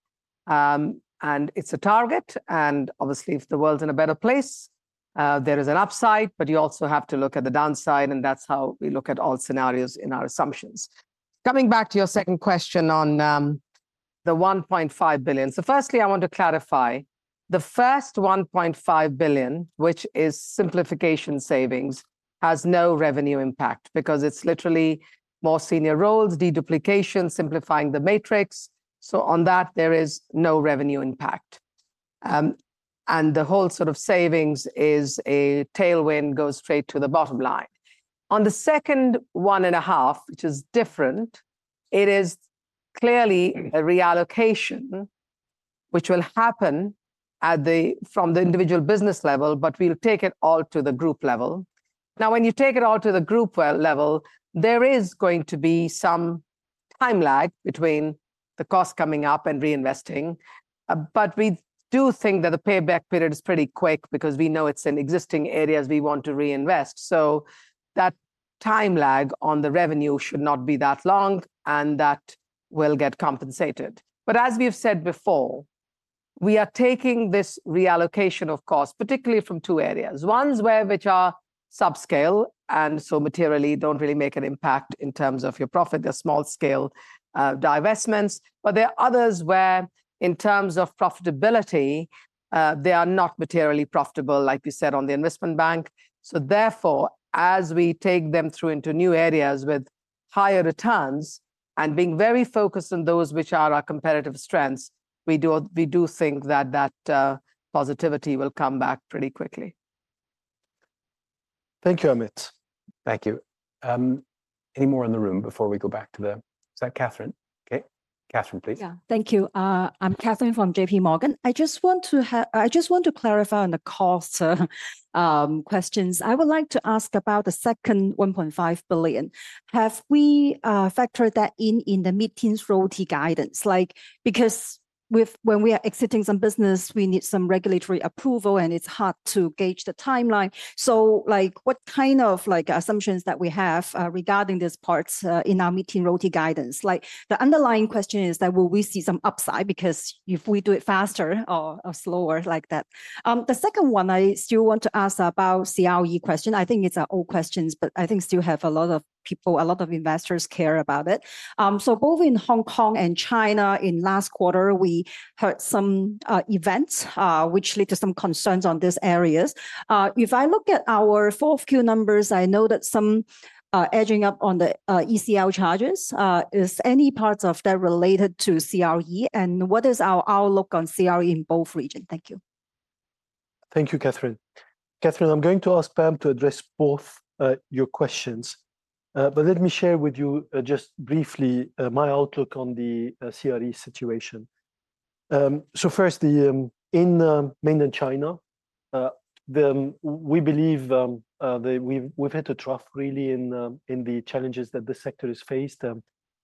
Speaker 3: It is a target. Obviously, if the world's in a better place, there is an upside, but you also have to look at the downside. That's how we look at all scenarios in our assumptions. Coming back to your second question on the $1.5 billion. Firstly, I want to clarify the first $1.5 billion, which is simplification savings, has no revenue impact because it's literally more senior roles, deduplication, simplifying the matrix. On that, there is no revenue impact. The whole sort of savings is a tailwind goes straight to the bottom line. On the second $1.5 billion, which is different, it is clearly a reallocation, which will happen from the individual business level, but we'll take it all to the group level. Now, when you take it all to the group level, there is going to be some time lag between the cost coming up and reinvesting. But we do think that the payback period is pretty quick because we know it's in existing areas we want to reinvest. So that time lag on the revenue should not be that long and that will get compensated. But as we have said before, we are taking this reallocation of costs, particularly from two areas. One's where, which are subscale and so materially don't really make an impact in terms of your profit. They're small scale divestments. But there are others where in terms of profitability, they are not materially profitable, like you said, on the investment bank. So therefore, as we take them through into new areas with higher returns and being very focused on those which are our competitive strengths, we do think that that positivity will come back pretty quickly.
Speaker 4: Thank you, Amit. Thank you. Any more in the room before we go back to the... Is that Katherine? Okay. Katherine, please. Yeah, thank you. I'm Katherine from J.P. Morgan. I just want to... I just want to clarify on the cost questions. I would like to ask about the second $1.5 billion. Have we factored that in in the medium-term guidance? Like, because when we are exiting some business, we need some regulatory approval and it's hard to gauge the timeline. So like what kind of like assumptions that we have regarding this part in our medium-term guidance? Like the underlying question is that will we see some upside because if we do it faster or slower like that? The second one, I still want to ask about CRE question. I think it's an old question, but I think still have a lot of people, a lot of investors care about it. So both in Hong Kong and China, in last quarter, we heard some events which led to some concerns on these areas. If I look at our Q4 numbers, I know that some edging up on the ECL charges. Is any parts of that related to CRE and what is our outlook on CRE in both regions? Thank you.
Speaker 2: Thank you, Katherine. Katherine, I'm going to ask Pam to address both your questions. But let me share with you just briefly my outlook on the CRE situation. So first, in Mainland China, we believe that we've hit a trough really in the challenges that the sector has faced.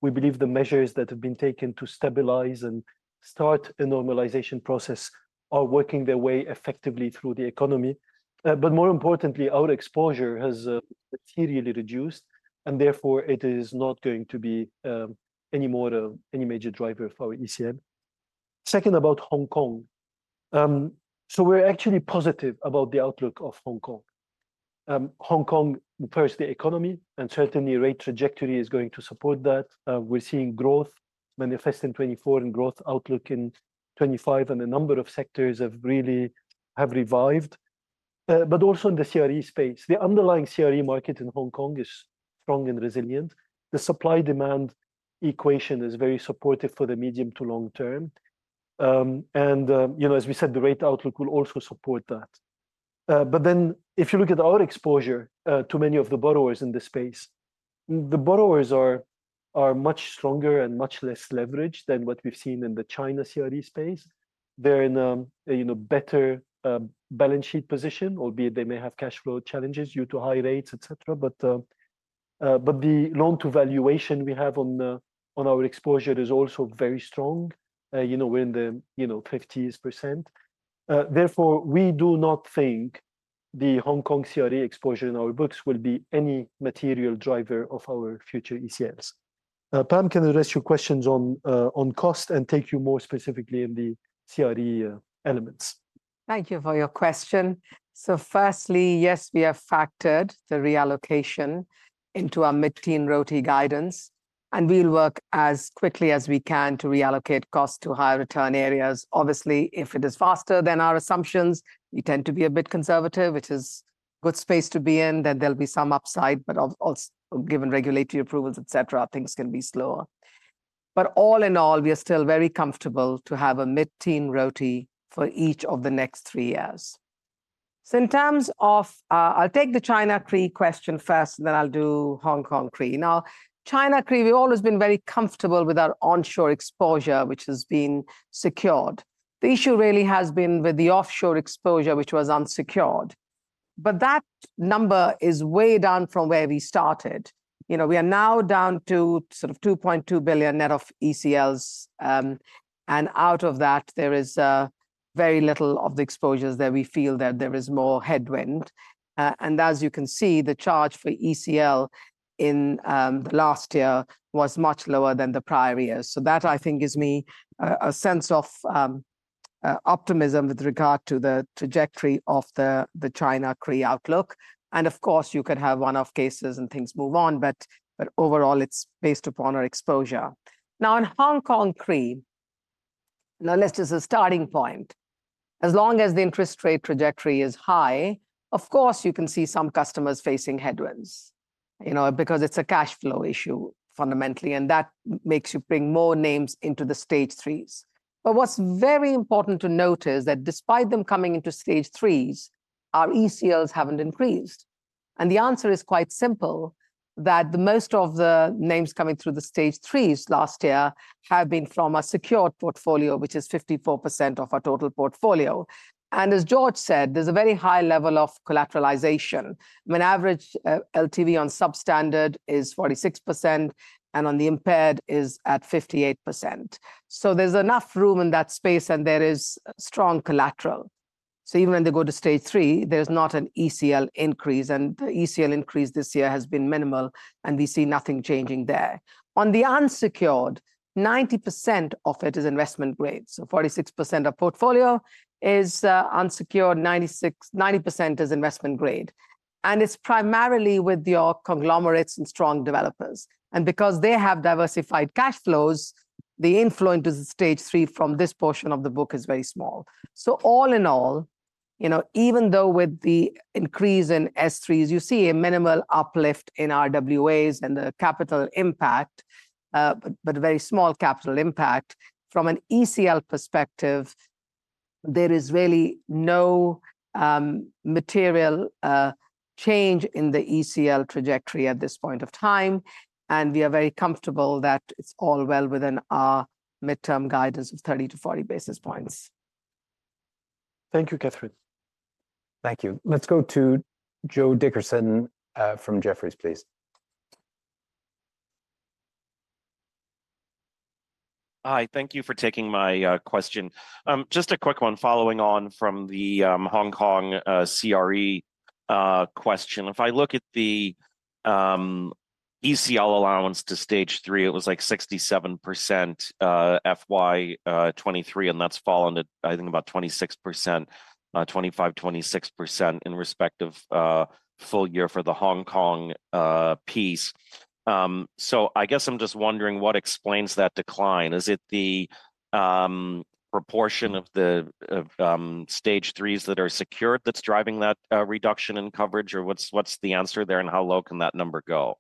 Speaker 2: We believe the measures that have been taken to stabilize and start a normalization process are working their way effectively through the economy. But more importantly, our exposure has materially reduced and therefore it is not going to be any more of any major driver for ECM. Second, about Hong Kong. So we're actually positive about the outlook of Hong Kong. Hong Kong, first, the economy and certainly rate trajectory is going to support that. We're seeing growth manifest in 2024 and growth outlook in 2025 and a number of sectors have really revived. But also in the CRE space, the underlying CRE market in Hong Kong is strong and resilient. The supply-demand equation is very supportive for the medium to long term. And you know, as we said, the rate outlook will also support that. But then if you look at our exposure to many of the borrowers in the space, the borrowers are much stronger and much less leveraged than what we've seen in the China CRE space. They're in a, you know, better balance sheet position, albeit they may have cash flow challenges due to high rates, etc. But the loan-to-valuation we have on our exposure is also very strong. You know, we're in the, you know, 50%. Therefore, we do not think the Hong Kong CRE exposure in our books will be any material driver of our future ECLs. Pam, can I address your questions on cost and take you more specifically in the CRE elements?
Speaker 3: Thank you for your question. So firstly, yes, we have factored the reallocation into our mid-teens RoTE guidance. We'll work as quickly as we can to reallocate cost to high return areas. Obviously, if it is faster than our assumptions, we tend to be a bit conservative, which is a good space to be in, that there'll be some upside, but also given regulatory approvals, etc., things can be slower. All in all, we are still very comfortable to have a mid-teens RoTE for each of the next three years. In terms of, I'll take the China CRE question first, and then I'll do Hong Kong CRE. Now, China CRE, we've always been very comfortable with our onshore exposure, which has been secured. The issue really has been with the offshore exposure, which was unsecured. But that number is way down from where we started. You know, we are now down to sort of $2.2 billion net of ECLs. And out of that, there is very little of the exposures that we feel that there is more headwind. And as you can see, the charge for ECL in the last year was much lower than the prior year. So that, I think, gives me a sense of optimism with regard to the trajectory of the China CRE outlook. And of course, you could have one-off cases and things move on, but overall, it's based upon our exposure. Now, in Hong Kong CRE, let's just as a starting point, as long as the interest rate trajectory is high, of course, you can see some customers facing headwinds, you know, because it's a cash flow issue fundamentally, and that makes you bring more names into the Stage 3s. But what's very important to note is that despite them coming into Stage 3s, our ECLs haven't increased. The answer is quite simple, that most of the names coming through the Stage 3s last year have been from a secured portfolio, which is 54% of our total portfolio. As Georges said, there's a very high level of collateralization. I mean, average LTV on substandard is 46%, and on the impaired is at 58%. So there's enough room in that space, and there is strong collateral. So even when they go to Stage 3, there's not an ECL increase, and the ECL increase this year has been minimal, and we see nothing changing there. On the unsecured, 90% of it is investment grade. So 46% of portfolio is unsecured, 90% is investment grade. And it's primarily with your conglomerates and strong developers. And because they have diversified cash flows, the inflow into the Stage 3 from this portion of the book is very small. So all in all, you know, even though with the increase in Stage 3s, you see a minimal uplift in RWAs and the capital impact, but very small capital impact, from an ECL perspective, there is really no material change in the ECL trajectory at this point of time. And we are very comfortable that it's all well within our medium-term guidance of 30-40 basis points.
Speaker 4: Thank you, Katherine. Thank you. Let's go to Joe Dickerson from Jefferies, please.
Speaker 11: Hi, thank you for taking my question. Just a quick one following on from the Hong Kong CRE question. If I look at the ECL allowance to Stage 3, it was like 67% FY23, and that's fallen to, I think, about 26%, 25-26% in respect of full year for the Hong Kong piece. So I guess I'm just wondering what explains that decline. Is it the proportion of the Stage 3s that are secured that's driving that reduction in coverage, or what's the answer there and how low can that number go?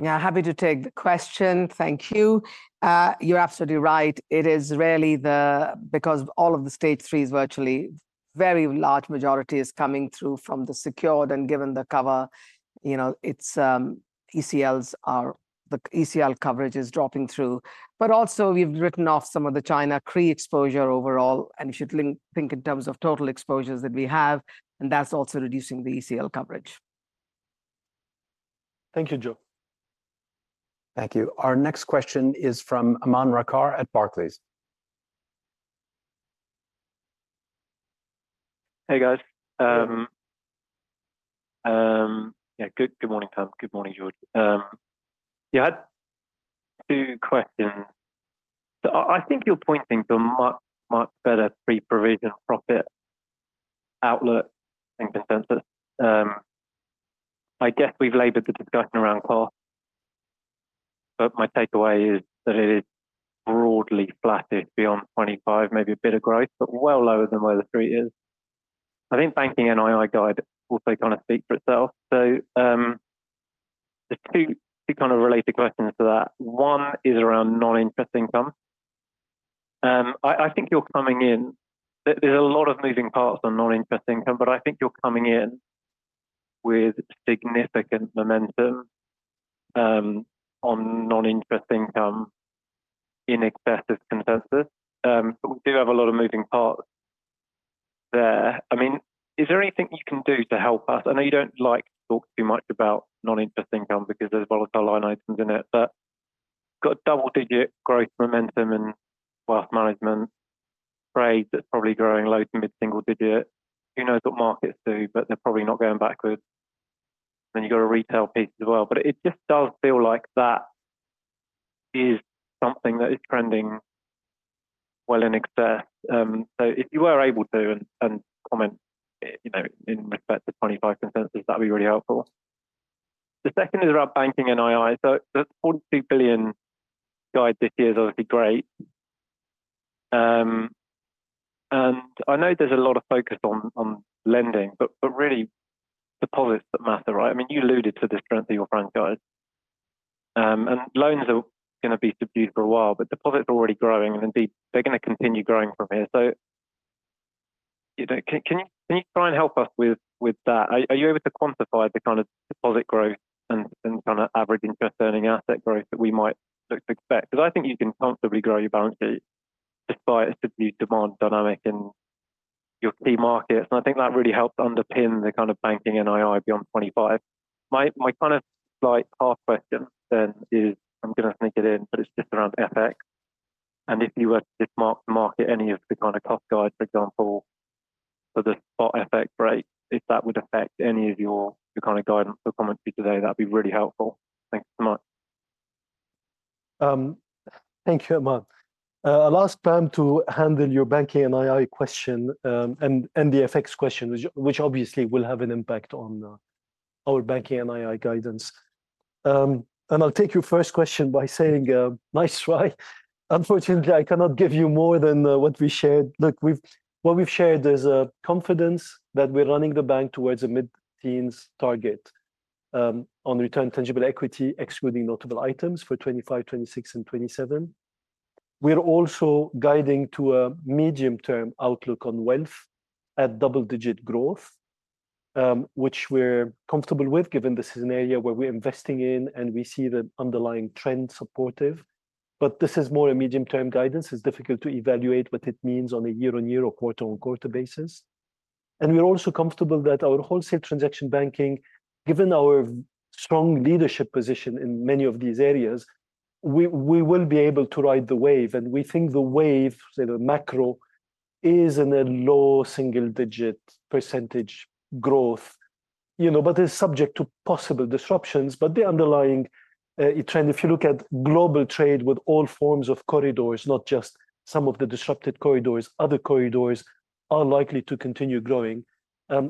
Speaker 3: Yeah, happy to take the question. Thank you. You're absolutely right. It is really the, because all of the Stage 3s virtually, very large majority is coming through from the secured, and given the cover, you know, it's ECLs are, the ECL coverage is dropping through. But also we've written off some of the China CRE exposure overall, and you should think in terms of total exposures that we have, and that's also reducing the ECL coverage.
Speaker 4: Thank you, Joe. Thank you. Our next question is from Aman Rakkar at Barclays.
Speaker 12: Hey, guys. Yeah, good morning, Pam. Good morning, George. Yeah, I had two questions. I think you're pointing to a much, much better pre-provision profit outlook and consensus. I guess we've labored the discussion around cost, but my takeaway is that it is broadly flattered beyond 25, maybe a bit of growth, but well lower than where the three is. I think banking NII guide also kind of speaks for itself. So there's two kind of related questions to that. One is around non-interest income. I think you're coming in, there's a lot of moving parts on non-interest income, but I think you're coming in with significant momentum on non-interest income in excess of consensus. But we do have a lot of moving parts there. I mean, is there anything you can do to help us? I know you don't like to talk too much about non-interest income because there's volatile line items in it, but got a double-digit growth momentum in wealth management trade that's probably growing low-to-mid-single-digit. Who knows what markets do, but they're probably not going backwards. Then you've got a retail piece as well, but it just does feel like that is something that is trending well in excess. So if you were able to and comment, you know, in respect to 2025 consensus, that'd be really helpful. The second is about banking NII. So that's $42 billion guide this year is obviously great. And I know there's a lot of focus on lending, but really deposits that matter, right? I mean, you alluded to this strength of your franchise. And loans are going to be subdued for a while, but deposits are already growing and indeed they're going to continue growing from here. So can you try and help us with that? Are you able to quantify the kind of deposit growth and kind of average interest earning asset growth that we might look to expect? Because I think you can comfortably grow your balance sheet despite a subdued demand dynamic in your key markets, and I think that really helps underpin the kind of banking NII beyond 25. My kind of slight half question then is, I'm going to sneak it in, but it's just around FX, and if you were to just mark the market, any of the kind of cost guides, for example, for the spot FX rate, if that would affect any of your kind of guidance or commentary today, that'd be really helpful. Thanks so much.
Speaker 2: Thank you very much. I'll ask Pam to handle your banking NII question and the FX question, which obviously will have an impact on our banking NII guidance. I'll take your first question by saying nice try. Unfortunately, I cannot give you more than what we shared. Look, what we've shared is confidence that we're running the bank towards a mid-teens target on Return on Tangible Equity, excluding notable items for 2025, 2026, and 2027. We're also guiding to a medium-term outlook on wealth at double-digit growth, which we're comfortable with given the scenario where we're investing in and we see the underlying trend supportive. This is more a medium-term guidance. It's difficult to evaluate what it means on a year-on-year or quarter-on-quarter basis. We're also comfortable that our wholesale transaction banking, given our strong leadership position in many of these areas, we will be able to ride the wave. We think the wave, say, the macro, is in a low single-digit percentage growth, you know, but it's subject to possible disruptions. But the underlying trend, if you look at global trade with all forms of corridors, not just some of the disrupted corridors, other corridors are likely to continue growing.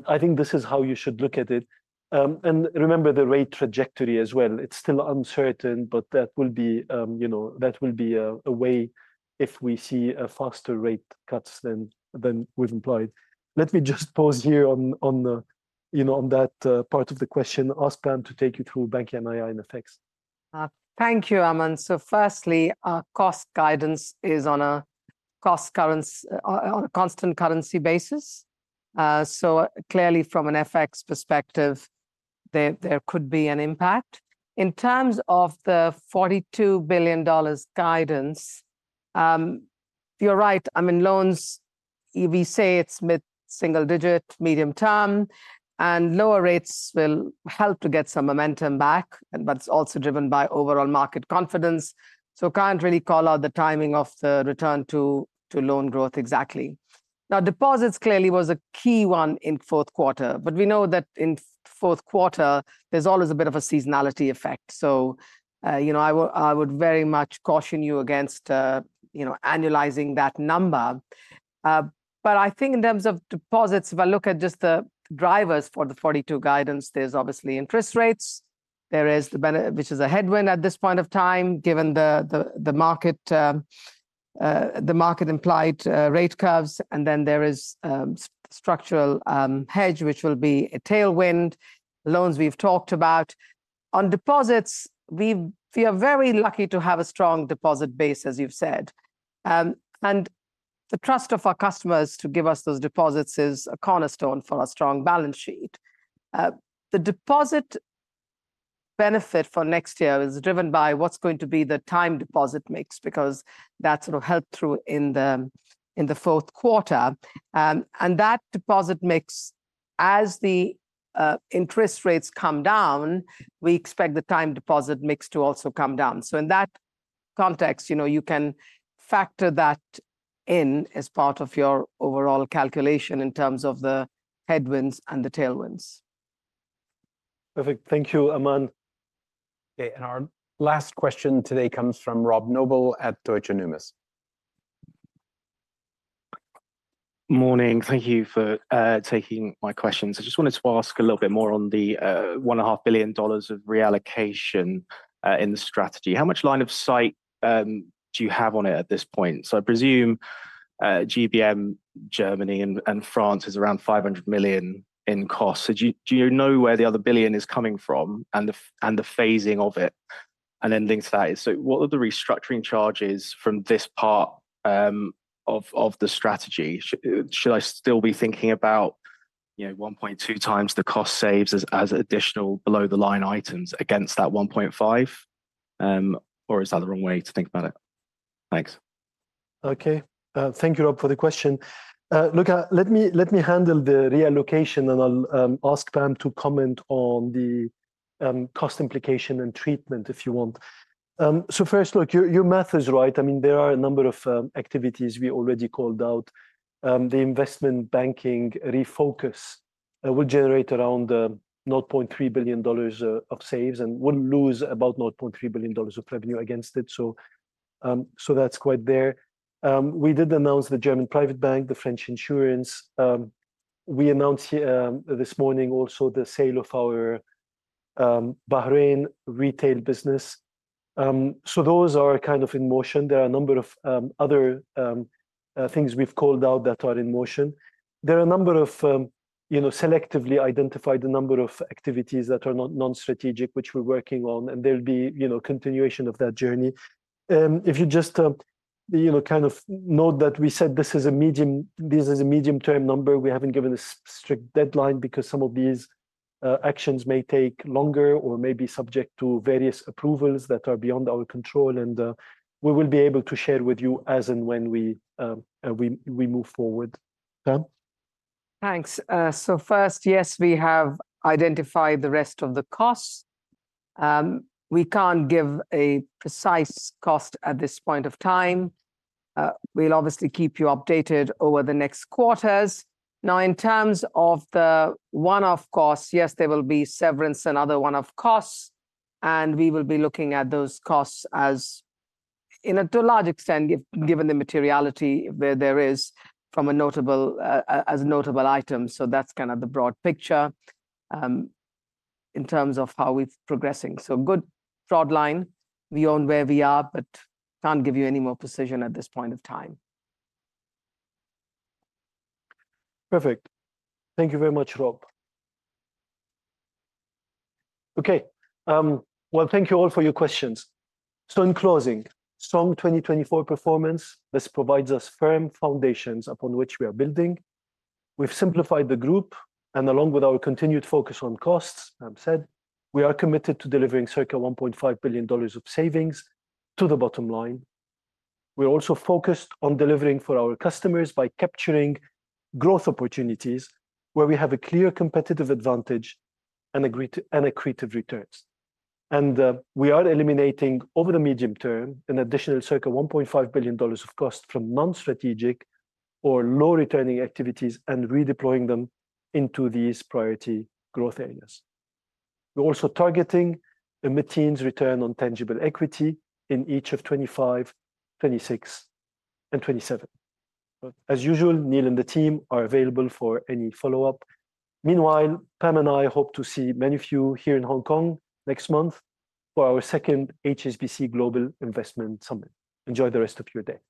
Speaker 2: I think this is how you should look at it. And remember the rate trajectory as well. It's still uncertain, but that will be, you know, that will be a way if we see faster rate cuts than we've implied. Let me just pause here on, you know, on that part of the question. Ask Pam to take you through banking NII and FX.
Speaker 3: Thank you, Aman. So firstly, our cost guidance is on a cost currency, on a constant currency basis. So clearly from an FX perspective, there could be an impact. In terms of the $42 billion guidance, you're right. I mean, loans, we say it's mid-single digit, medium term, and lower rates will help to get some momentum back, but it's also driven by overall market confidence. So I can't really call out the timing of the return to loan growth exactly. Now, deposits clearly was a key one in Q4, but we know that in Q4, there's always a bit of a seasonality effect. So, you know, I would very much caution you against, you know, annualizing that number. But I think in terms of deposits, if I look at just the drivers for the Q2 guidance, there's obviously interest rates. There is the benefit, which is a headwind at this point of time, given the market, the market implied rate curves. And then there is structural hedge, which will be a tailwind. Loans we've talked about. On deposits, we are very lucky to have a strong deposit base, as you've said. And the trust of our customers to give us those deposits is a cornerstone for our strong balance sheet. The deposit benefit for next year is driven by what's going to be the time deposit mix because that sort of helped through in the fourth quarter. And that deposit mix, as the interest rates come down, we expect the time deposit mix to also come down. So in that context, you know, you can factor that in as part of your overall calculation in terms of the headwinds and the tailwinds.
Speaker 4: Perfect. Thank you, Aman. Okay. And our last question today comes from Rob Noble at Deutsche Numis.
Speaker 13: Morning. Thank you for taking my questions. I just wanted to ask a little bit more on the $1.5 billion of reallocation in the strategy. How much line of sight do you have on it at this point? So I presume GBM, Germany, and France is around $500 million in cost. So do you know where the other $1 billion is coming from and the phasing of it and then things like that? So what are the restructuring charges from this part of the strategy? Should I still be thinking about, you know, 1.2 times the cost saves as additional below-the-line items against that 1.5? Or is that the wrong way to think about it? Thanks.
Speaker 2: Okay. Thank you, Rob, for the question. Look, let me handle the reallocation, and I'll ask Pam to comment on the cost implication and treatment if you want. So first, look, your math is right. I mean, there are a number of activities we already called out. The investment banking refocus will generate around $0.3 billion of savings and will lose about $0.3 billion of revenue against it. So that's quite there. We did announce the German private bank, the French insurance. We announced this morning also the sale of our Bahrain retail business. So those are kind of in motion. There are a number of other things we've called out that are in motion. There are a number of, you know, selectively identified a number of activities that are non-strategic, which we're working on, and there'll be, you know, continuation of that journey. If you just, you know, kind of note that we said this is a medium, this is a medium-term number. We haven't given a strict deadline because some of these actions may take longer or may be subject to various approvals that are beyond our control, and we will be able to share with you as and when we move forward.
Speaker 3: Thanks. So first, yes, we have identified the rest of the costs. We can't give a precise cost at this point of time. We'll obviously keep you updated over the next quarters. Now, in terms of the one-off costs, yes, there will be severance and other one-off costs, and we will be looking at those costs as, to a large extent, given the materiality, as a notable item. So that's kind of the broad picture in terms of how we're progressing. So good, broad line. We own where we are, but can't give you any more precision at this point of time.
Speaker 2: Perfect. Thank you very much, Rob. Okay. Well, thank you all for your questions. So in closing, strong 2024 performance, this provides us firm foundations upon which we are building. We've simplified the group, and along with our continued focus on costs, I've said, we are committed to delivering circa $1.5 billion of savings to the bottom line. We're also focused on delivering for our customers by capturing growth opportunities where we have a clear competitive advantage and attractive and accretive returns. And we are eliminating over the medium term an additional circa $1.5 billion of costs from non-strategic or low-returning activities and redeploying them into these priority growth areas. We're also targeting a mid-teens return on tangible equity in each of 2025, 2026, and 2027. As usual, Neil and the team are available for any follow-up. Meanwhile, Pam and I hope to see many of you here in Hong Kong next month for our second HSBC Global Investment Summit. Enjoy the rest of your day.